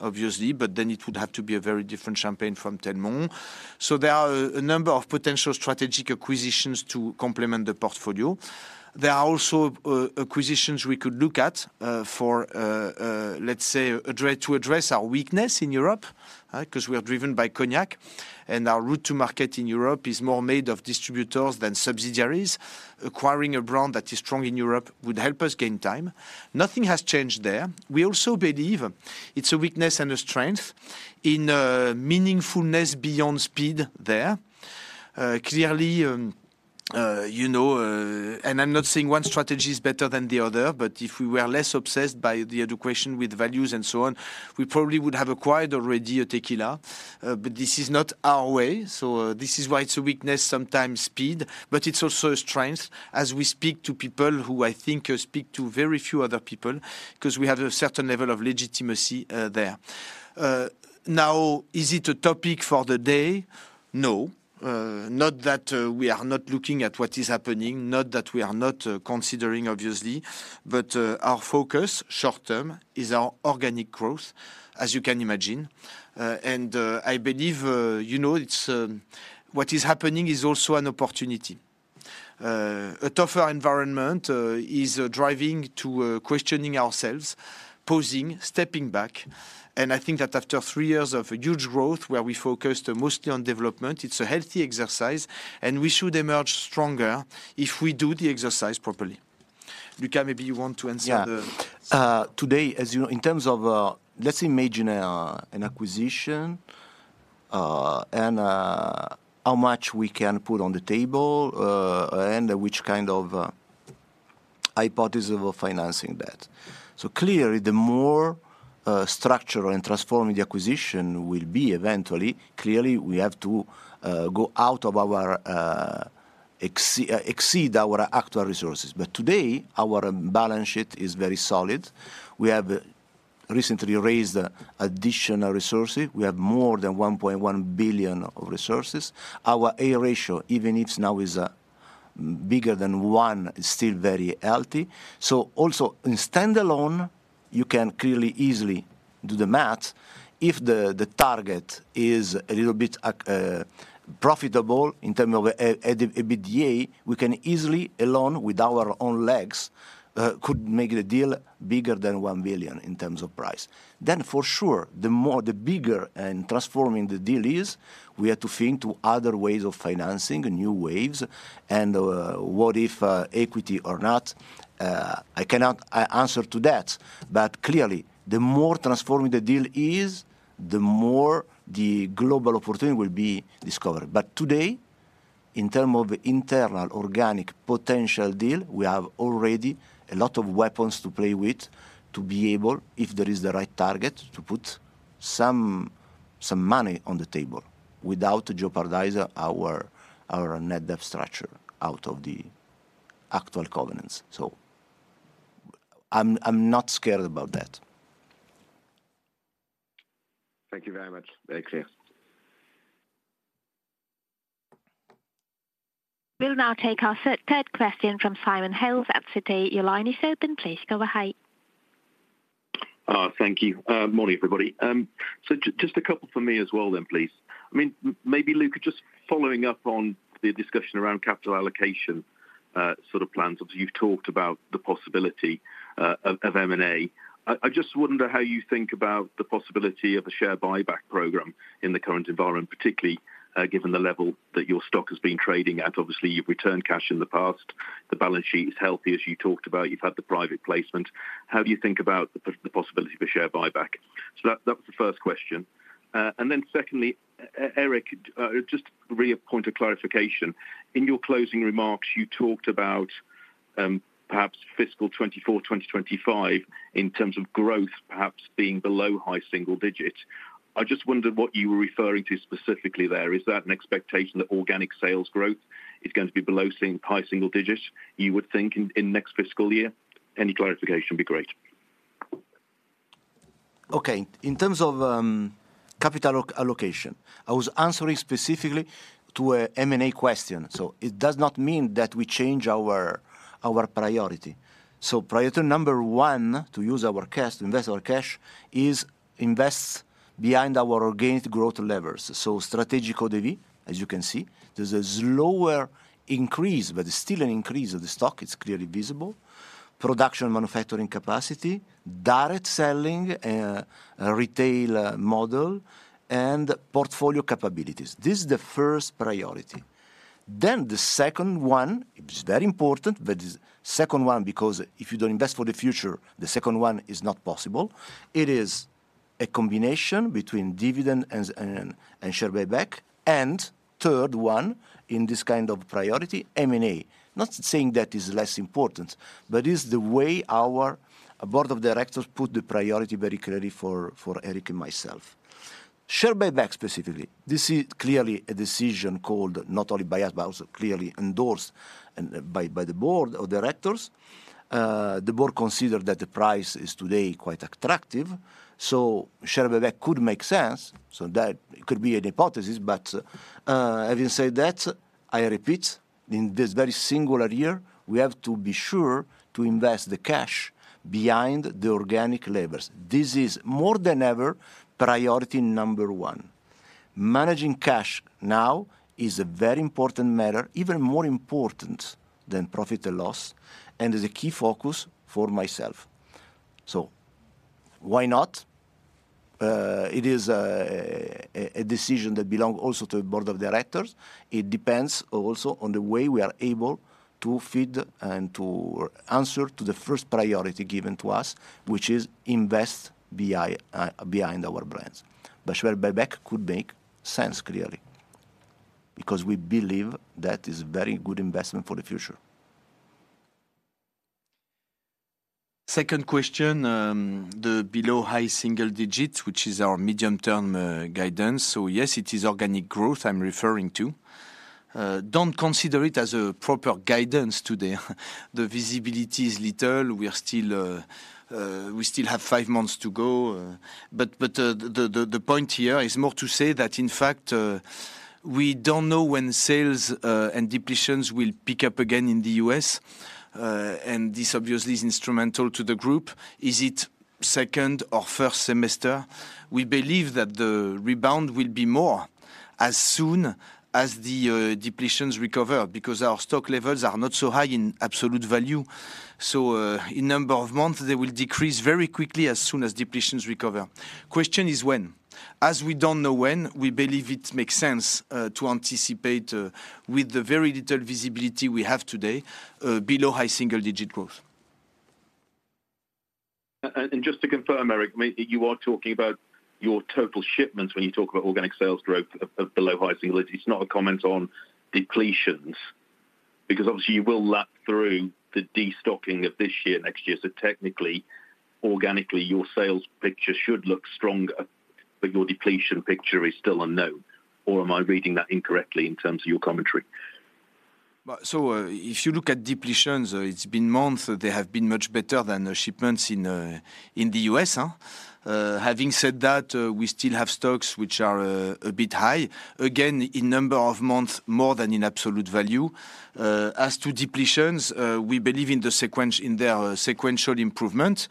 obviously, but then it would have to be a very different Champagne from Telmont. So there are a number of potential strategic acquisitions to complement the portfolio. There are also acquisitions we could look at, for, let's say, to address our weakness in Europe, 'cause we are driven by Cognac, and our route to market in Europe is more made of distributors than subsidiaries. Acquiring a brand that is strong in Europe would help us gain time. Nothing has changed there. We also believe it's a weakness and a strength in meaningfulness beyond speed there. Clearly, you know. And I'm not saying one strategy is better than the other, but if we were less obsessed by the education with values and so on, we probably would have acquired already a tequila. But this is not our way, so this is why it's a weakness, sometimes speed, but it's also a strength as we speak to people who I think speak to very few other people, 'cause we have a certain level of legitimacy there. Now, is it a topic for the day? No. Not that we are not looking at what is happening, not that we are not considering, obviously, but our focus short term is our organic growth, as you can imagine. And I believe you know, it's what is happening is also an opportunity. A tougher environment is driving to questioning ourselves, pausing, stepping back, and I think that after three years of huge growth, where we focused mostly on development, it's a healthy exercise, and we should emerge stronger if we do the exercise properly. Luca, maybe you want to answer the- Yeah. Today, as you know, in terms -- of let's imagine an acquisition and how much we can put on the table and which kind of hypothesis of financing that. So clearly, the more structural and transforming the acquisition will be eventually, clearly, we have to go out of our exceed our actual resources. But today, our balance sheet is very solid. We have recently raised additional resources. We have more than 1.1 billion of resources. Our A ratio, even if now is bigger than one, is still very healthy. So also, in standalone, you can clearly easily do the math. If the target is a little bit profitable in term of a EBITDA, we can easily, alone, with our own legs, could make the deal bigger than 1 billion in terms of price. Then for sure, the more, the bigger and transforming the deal is we have to think to other ways of financing, new ways, and, what if, equity or not, I cannot answer to that. But clearly, the more transforming the deal is, the more the global opportunity will be discovered. But today, in term of internal organic potential deal, we have already a lot of weapons to play with, to be able, if there is the right target, to put some money on the table without jeopardizing our net debt structure out of the actual covenants. So I'm not scared about that. Thank you very much. Very clear. We'll now take our third, third question from Simon Hales at Citi. Your line is open. Please go ahead. Thank you. Morning, everybody. So just a couple for me as well then, please. I mean, maybe, Luca, just following up on the discussion around capital allocation, sort of plans. Obviously, you've talked about the possibility of M&A. I just wonder how you think about the possibility of a share buyback program in the current environment, particularly, given the level that your stock has been trading at. Obviously, you've returned cash in the past. The balance sheet is healthy, as you talked about. You've had the private placement. How do you think about the possibility of a share buyback? So that was the first question. And then secondly, Éric, just a point of clarification. In your closing remarks, you talked about perhaps fiscal 2024, 2025, in terms of growth, perhaps being below high single digits. I just wondered what you were referring to specifically there. Is that an expectation that organic sales growth is going to be below high single digits, you would think in next fiscal year? Any clarification would be great. Okay. In terms of capital allocation, I was answering specifically to a M&A question, so it does not mean that we change our, our priority. So priority number one, to use our cash, invest our cash, is invest behind our organic growth levers. So strategic ODV, as you can see, there's a slower increase, but still an increase of the stock, it's clearly visible. Production, manufacturing capacity, direct selling, retail model, and portfolio capabilities. This is the first priority. Then the second one, which is very important, but is second one, because if you don't invest for the future, the second one is not possible. It is a combination between dividend and, and, and share buyback, and third one, in this kind of priority, M&A. Not saying that is less important, but it's the way our board of directors put the priority very clearly for Éric and myself. Share buyback, specifically, this is clearly a decision called not only by us, but also clearly endorsed by the board of directors. The board considered that the price is today quite attractive, so share buyback could make sense, so that could be a hypothesis. But having said that, I repeat, in this very singular year, we have to be sure to invest the cash behind the organic levers. This is more than ever priority number one. Managing cash now is a very important matter, even more important than profit or loss, and is a key focus for myself. So why not? It is a decision that belong also to the board of directors. It depends also on the way we are able to feed and to answer to the first priority given to us, which is invest behind our brands. The share buyback could make sense, clearly, because we believe that is a very good investment for the future. Second question, the below high single digits, which is our medium-term guidance. So yes, it is organic growth I'm referring to. Don't consider it as a proper guidance today. The visibility is little. We are still, we still have five months to go, but the point here is more to say that, in fact, we don't know when sales and depletions will pick up again in the U.S., and this obviously is instrumental to the group. Is it second or first semester? We believe that the rebound will be more as soon as the depletions recover, because our stock levels are not so high in absolute value. So, in number of months, they will decrease very quickly as soon as depletions recover. Question is when. As we don't know when, we believe it makes sense to anticipate with the very little visibility we have today below high single digit growth. Just to confirm, Éric, I mean, you are talking about your total shipments when you talk about organic sales growth of below high single digits, it's not a comment on depletions, because obviously you will lap through the destocking of this year, next year. So technically, organically, your sales picture should look stronger, but your depletion picture is still unknown, or am I reading that incorrectly in terms of your commentary? But so, if you look at depletions, it's been months, they have been much better than the shipments in, in the U.S. Having said that, we still have stocks which are a bit high, again, in number of months, more than in absolute value. As to depletions, we believe in the sequential improvement,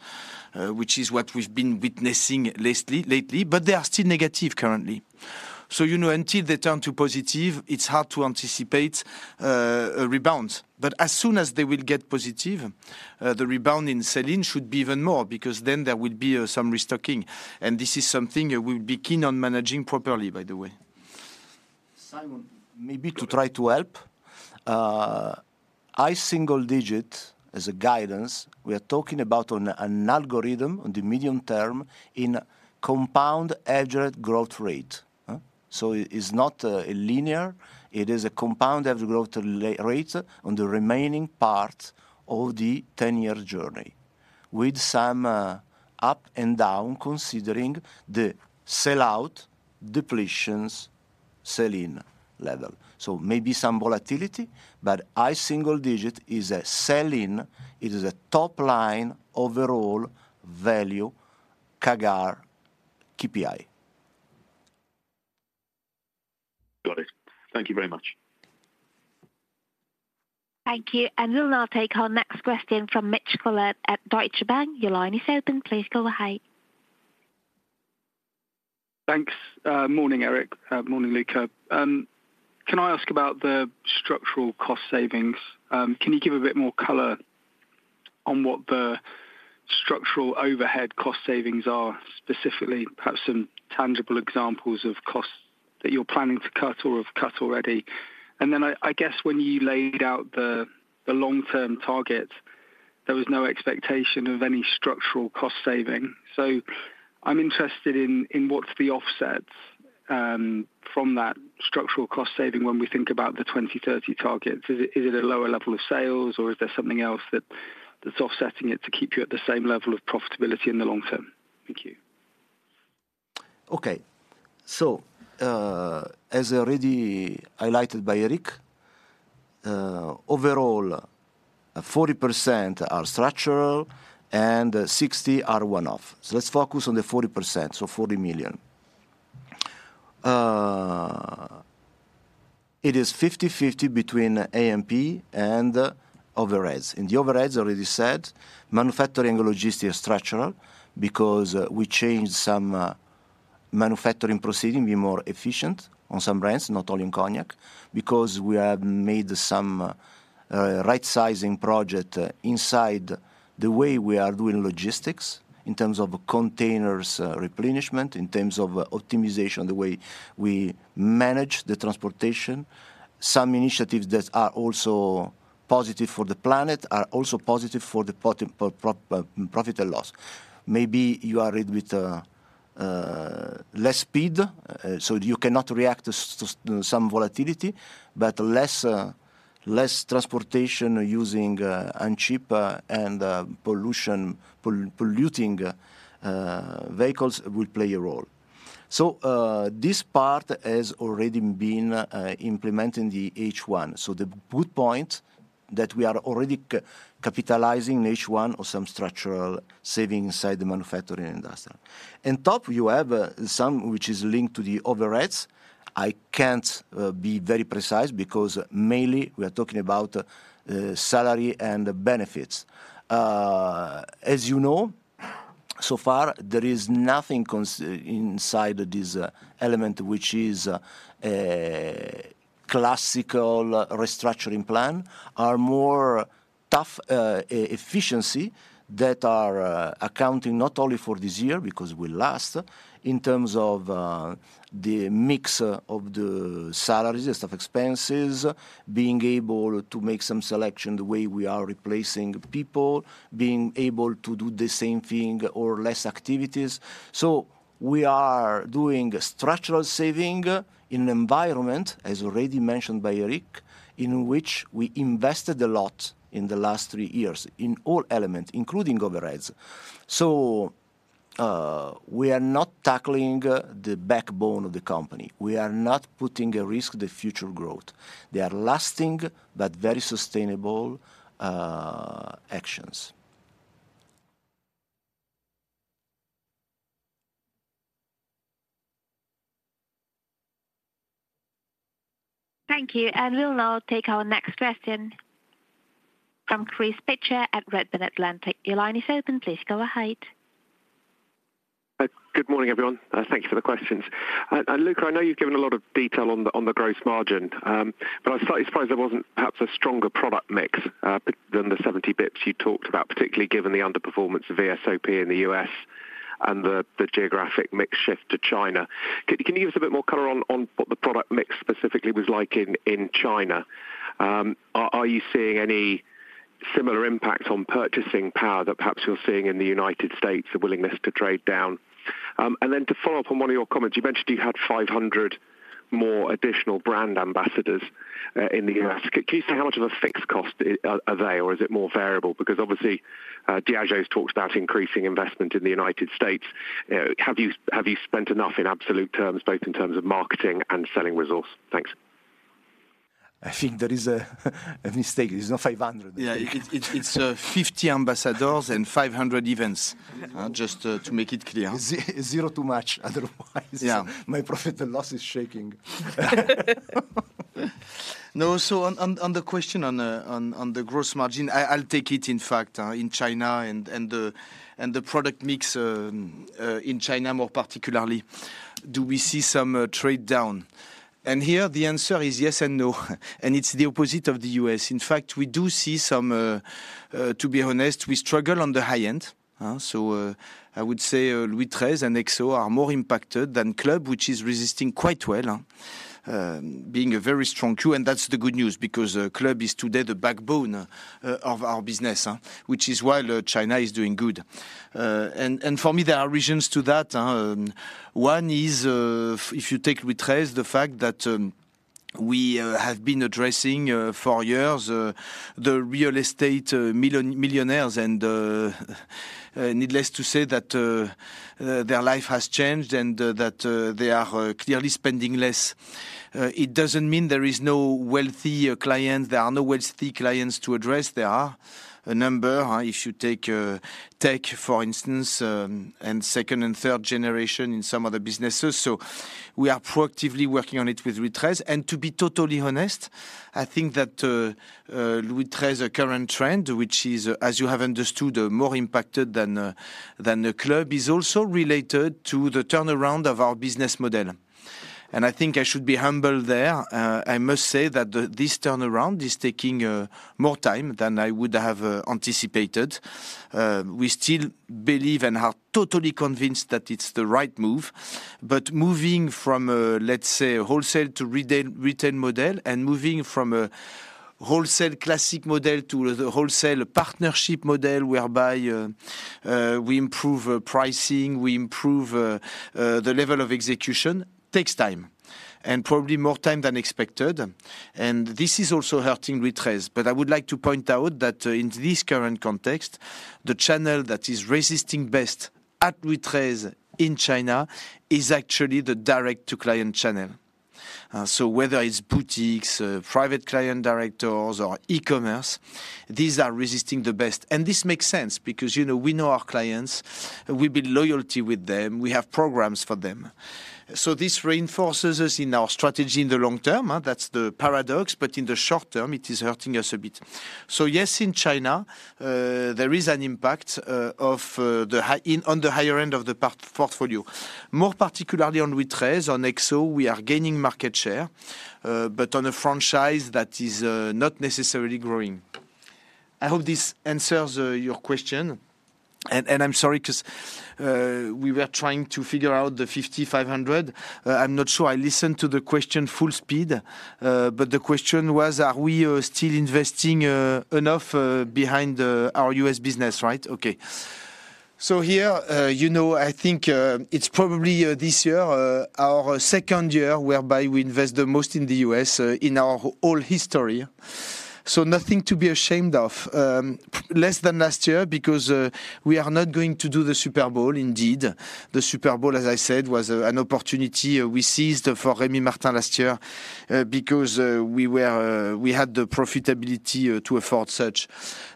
which is what we've been witnessing lately, but they are still negative currently. So, you know, until they turn to positive, it's hard to anticipate a rebound. But as soon as they will get positive, the rebound in selling should be even more, because then there will be some restocking, and this is something we'll be keen on managing properly, by the way. Simon, maybe to try to help, high single digit as a guidance, we are talking about on an algorithm on the medium term in compound annual growth rate. So it is not, a linear, it is a compound annual growth rate on the remaining part of the ten-year journey, with some, up and down, considering the sell-out depletions, sell-in level. So maybe some volatility, but high single digit is a sell-in, it is a top line overall value CAGR KPI. Got it. Thank you very much. Thank you, and we'll now take our next question from Mitch Collett at Deutsche Bank. Your line is open. Please go ahead. Thanks. Morning, Éric. Morning, Luca. Can I ask about the structural cost savings? Can you give a bit more color on what the structural overhead cost savings are, specifically, perhaps some tangible examples of costs that you're planning to cut or have cut already? And then I guess when you laid out the long-term target, there was no expectation of any structural cost saving. So I'm interested in what's the offsets from that structural cost saving when we think about the 2030 targets. Is it a lower level of sales, or is there something else that's offsetting it to keep you at the same level of profitability in the long term? Thank you. Okay. So, as already highlighted by Éric, overall, 40% are structural and 60 are one-off. So let's focus on the 40%, so EUR 40 million. It is 50/50 between AMP and overheads. In the overheads, already said, manufacturing and logistics are structural because we changed some manufacturing proceeding to be more efficient on some brands, not only in Cognac, because we have made some right-sizing project inside the way we are doing logistics in terms of containers, replenishment, in terms of optimization, the way we manage the transportation. Some initiatives that are also positive for the planet are also positive for the profit and loss. Maybe you are a little bit less speedy, so you cannot react to some volatility, but less transportation using cheaper and less polluting vehicles will play a role. So, this part has already been implemented in the H1. So the good point that we are already capitalizing in H1 on some structural savings inside the manufacturing industry. On top, you have some which is linked to the overheads. I can't be very precise because mainly we are talking about salary and benefits. As you know, so far, there is nothing consistent inside this element, which is a classical restructuring plan [with] more tough efficiencies that are accounting not only for this year, because it will last, in terms of the mix of the salaries, the staff expenses, being able to make some selection, the way we are replacing people, being able to do the same thing or less activities. We are doing a structural saving in an environment, as already mentioned by Eric, in which we invested a lot in the last three years, in all elements, including overheads. We are not tackling the backbone of the company. We are not putting at risk the future growth. They are lasting but very sustainable actions. Thank you. And we'll now take our next question from Chris Pitcher at Redburn Atlantic. Your line is open. Please go ahead. Good morning, everyone. Thank you for the questions. And Luca, I know you've given a lot of detail on the gross margin, but I was slightly surprised there wasn't perhaps a stronger product mix than the 70 bips you talked about, particularly given the underperformance of VSOP in the US and the geographic mix shift to China. Can you give us a bit more color on what the product mix specifically was like in China? Are you seeing any similar impact on purchasing power that perhaps you're seeing in the United States, the willingness to trade down? And then to follow up on one of your comments, you mentioned you had 500 more additional brand ambassadors in the U.S. Can you say how much of a fixed cost are they, or is it more variable? Because obviously, Diageo's talked about increasing investment in the United States. Have you spent enough in absolute terms, both in terms of marketing and selling resource? Thanks. I think there is a mistake. It's not 500. Yeah, it's 50 ambassadors and 500 events, just to make it clear. Zero too much, otherwise- Yeah My profit and loss is shaking. No, so on the question on the gross margin, I'll take it, in fact, in China and the product mix in China, more particularly. Do we see some trade down? And here the answer is yes and no, and it's the opposite of the U.S. In fact, we do see some to be honest, we struggle on the high end, huh? So, I would say, LOUIS XIII and XO are more impacted than Club, which is resisting quite well, being a very strong SKU, and that's the good news, because, Club is today the backbone of our business, which is why China is doing good. And for me, there are reasons to that. One is, if you take LOUIS XIII, the fact that we have been addressing for years the real estate millionaires, and needless to say, that their life has changed and that they are clearly spending less. It doesn't mean there is no wealthy client, there are no wealthy clients to address. There are a number, if you take tech, for instance, and second and third generation in some other businesses. So we are proactively working on it with LOUIS XIII. And to be totally honest, I think that with LOUIS XIII current trend, which is, as you have understood, more impacted than the club, is also related to the turnaround of our business model. And I think I should be humble there. I must say that this turnaround is taking more time than I would have anticipated. We still believe and are totally convinced that it's the right move. But moving from a, let's say, a wholesale to retail, retail model and moving from a wholesale classic model to the wholesale partnership model, whereby we improve pricing, we improve the level of execution, takes time, and probably more time than expected, and this is also hurting Rémy. But I would like to point out that, in this current context, the channel that is resisting best at Rémy in China is actually the direct-to-client channel. So whether it's boutiques, private client directors or e-commerce, these are resisting the best. And this makes sense because, you know, we know our clients, we build loyalty with them, we have programs for them. So this reinforces us in our strategy in the long term, that's the paradox, but in the short term, it is hurting us a bit. So yes, in China, there is an impact of the higher end of the portfolio. More particularly on Rémy, on XO, we are gaining market share, but on a franchise that is not necessarily growing. I hope this answers your question, and I'm sorry, 'cause we were trying to figure out the 5,500. I'm not sure I listened to the question full speed, but the question was, are we still investing enough behind our U.S. business, right? Okay. So here, you know, I think, it's probably, this year, our second year, whereby we invest the most in the U.S., in our whole history. So nothing to be ashamed of. Less than last year because, we are not going to do the Super Bowl, indeed. The Super Bowl, as I said, was, an opportunity, we seized for Rémy Martin last year, because, we were, we had the profitability, to afford such.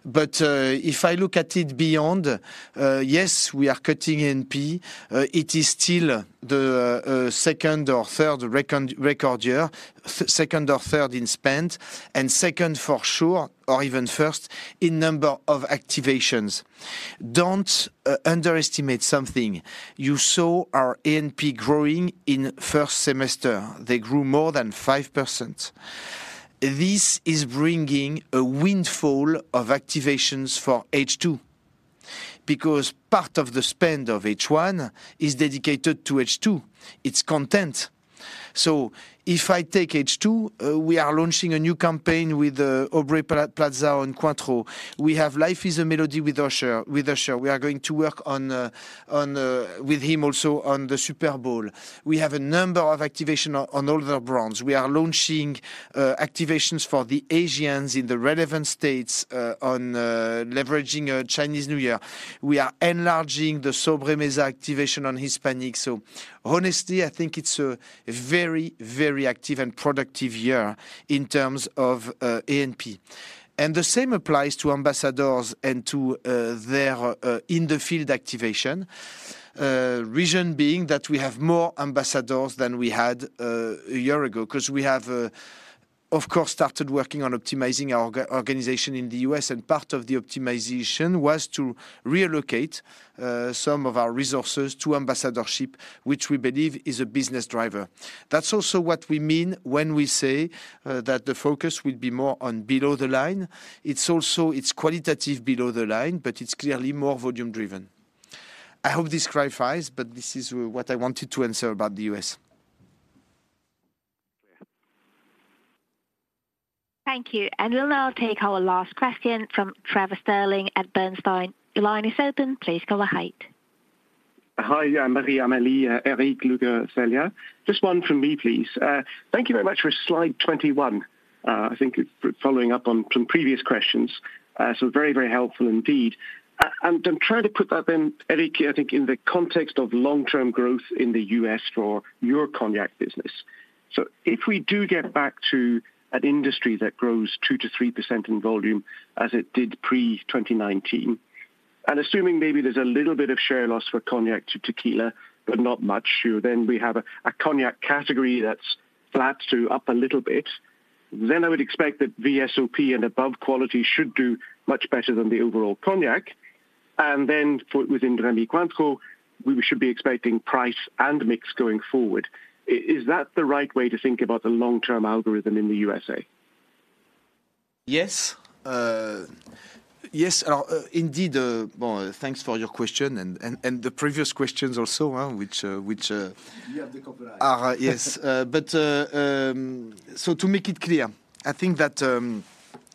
But, if I look at it beyond, yes, we are cutting A&P. It is still the, second or third record year, second or third in spend, and second for sure, or even first in number of activations. Don't underestimate something. You saw our A&P growing in first semester. They grew more than 5%. This is bringing a windfall of activations for H2, because part of the spend of H1 is dedicated to H2, its content. So if I take H2, we are launching a new campaign with Aubrey Plaza on Cointreau. We have Life is a Melody with Usher, with Usher. We are going to work on, on, with him also on the Super Bowl. We we have a number of activation on, on all the brands. We are launching activations for the Asians in the relevant states, on, leveraging Chinese New Year. We are enlarging the Sobremesa activation on Hispanic. So honestly, I think it's a very, very active and productive year in terms of A&P. And the same applies to ambassadors and to their in the field activation. Reason being that we have more ambassadors than we had a year ago, 'cause we have, of course, started working on optimizing our organization in the U.S., and part of the optimization was to relocate some of our resources to ambassadorship, which we believe is a business driver. That's also what we mean when we say that the focus will be more on below the line. It's also, it's qualitative below the line, but it's clearly more volume driven. I hope this clarifies, but this is what I wanted to answer about the U.S. Thank you. We'll now take our last question from Trevor Stirling at Bernstein. The line is open. Please go ahead. Hi, Marie-Amélie, Éric, Luca, Céline. Just one from me, please. Thank you very much for slide 21. I think it's for following up on some previous questions, so very, very helpful indeed. And I'm trying to put that, Éric, I think, in the context of long-term growth in the U.S. for your Cognac business. So if we do get back to an industry that grows 2%-3% in volume as it did pre-2019, and assuming maybe there's a little bit of share loss for Cognac to tequila, but not much, so then we have a Cognac category that's flat to up a little bit, then I would expect that VSOP and above quality should do much better than the overall Cognac. And then for within Rémy Cointreau, we should be expecting price and mix going forward. Is that the right way to think about the long-term algorithm in the USA? Yes, yes, indeed, well, thanks for your question and, and, and the previous questions also, which, which. You have the copyright. Yes. But to make it clear, I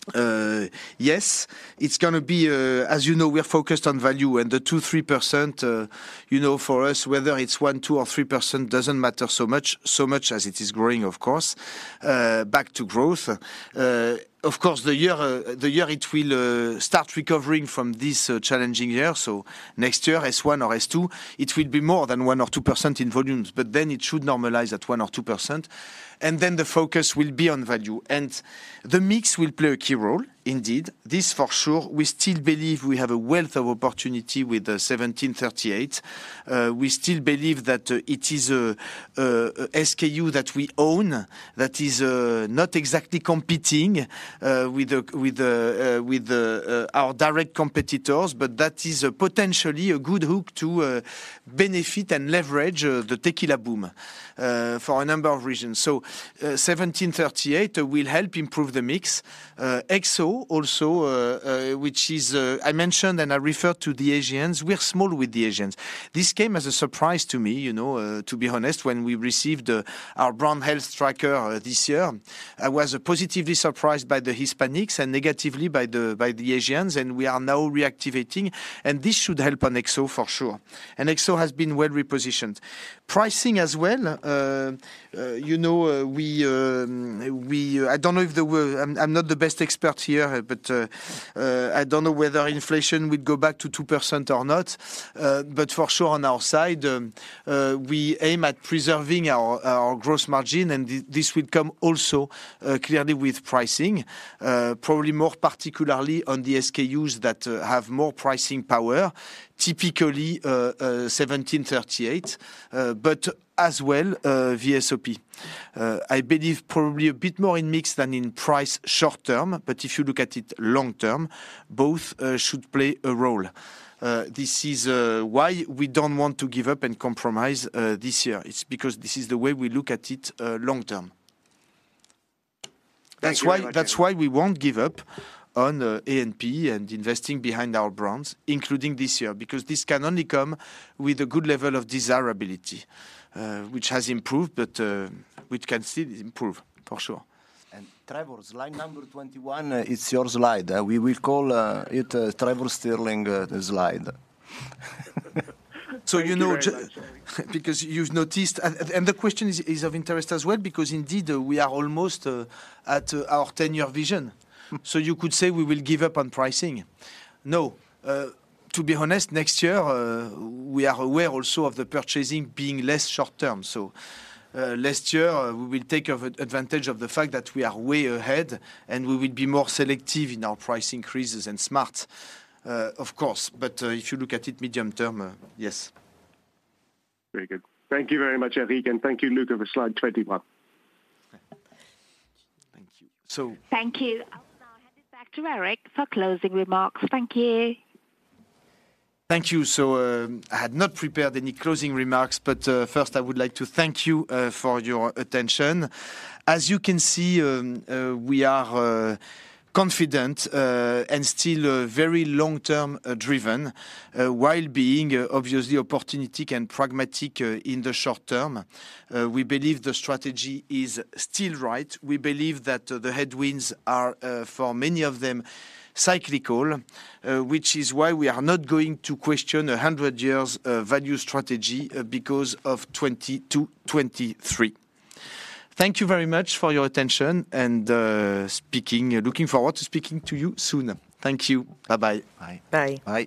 think that yes, it's gonna be, as you know, we are focused on value and the 2%-3%, you know, for us, whether it's 1%, 2%, or 3% doesn't matter so much, so much as it is growing, of course, back to growth. Of course, the year it will start recovering from this challenging year, so next year, H1 or H2, it will be more than 1%-2% in volumes. But then it should normalize at 1-2%, and then the focus will be on value, and the mix will play a key role indeed. This for sure, we still believe we have a wealth of opportunity with the 1738. We still believe that it is a SKU that we own that is not exactly competing with our direct competitors, but that is potentially a good hook to benefit and leverage the tequila boom for a number of reasons. So, 1738 will help improve the mix. XO also, which, is I mentioned and I referred to the Asians. We're small with the Asians. This came as a surprise to me, you know, to be honest, when we received our brand health tracker this year. I was positively surprised by the Hispanics and negatively by the Asians, and we are now reactivating, and this should help on XO for sure. And XO has been well repositioned. Pricing as well, you know, we, I don't know if the word—I'm not the best expert here, but I don't know whether inflation will go back to 2% or not. But for sure, on our side, we aim at preserving our gross margin, and this will come also clearly with pricing, probably more particularly on the SKUs that have more pricing power, typically 1738, but as well VSOP. I believe probably a bit more in mix than in price short term, but if you look at it long term, both should play a role. This is why we don't want to give up and compromise this year. It's because this is the way we look at it long term. Thank you very much. That's why, that's why we won't give up on A&P and investing behind our brands, including this year, because this can only come with a good level of desirability, which has improved, but which can still improve, for sure. Trevor, slide number 21 is your slide. We will call it Trevor Stirling slide. So you know Thank you very much. Because you've noticed. And the question is of interest as well, because indeed, we are almost at our 10-year vision. So you could say we will give up on pricing. No, to be honest, next year, we are aware also of the purchasing being less short term. So, last year, we will take advantage of the fact that we are way ahead, and we will be more selective in our price increases and smart, of course, but if you look at it medium term, yes. Very good. Thank you very much, Éric, and thank you, Luca, over slide 21. Thank you. Thank you. I'll now hand it back to Éric for closing remarks. Thank you. Thank you. So, I had not prepared any closing remarks, but, first I would like to thank you for your attention. As you can see, we are confident and still very long-term driven while being obviously opportunistic and pragmatic in the short term. We believe the strategy is still right. We believe that the headwinds are for many of them cyclical, which is why we are not going to question a hundred years value strategy because of 2020 to 2023. Thank you very much for your attention and speaking. Looking forward to speaking to you soon. Thank you. Bye-bye. Bye. Bye. Bye.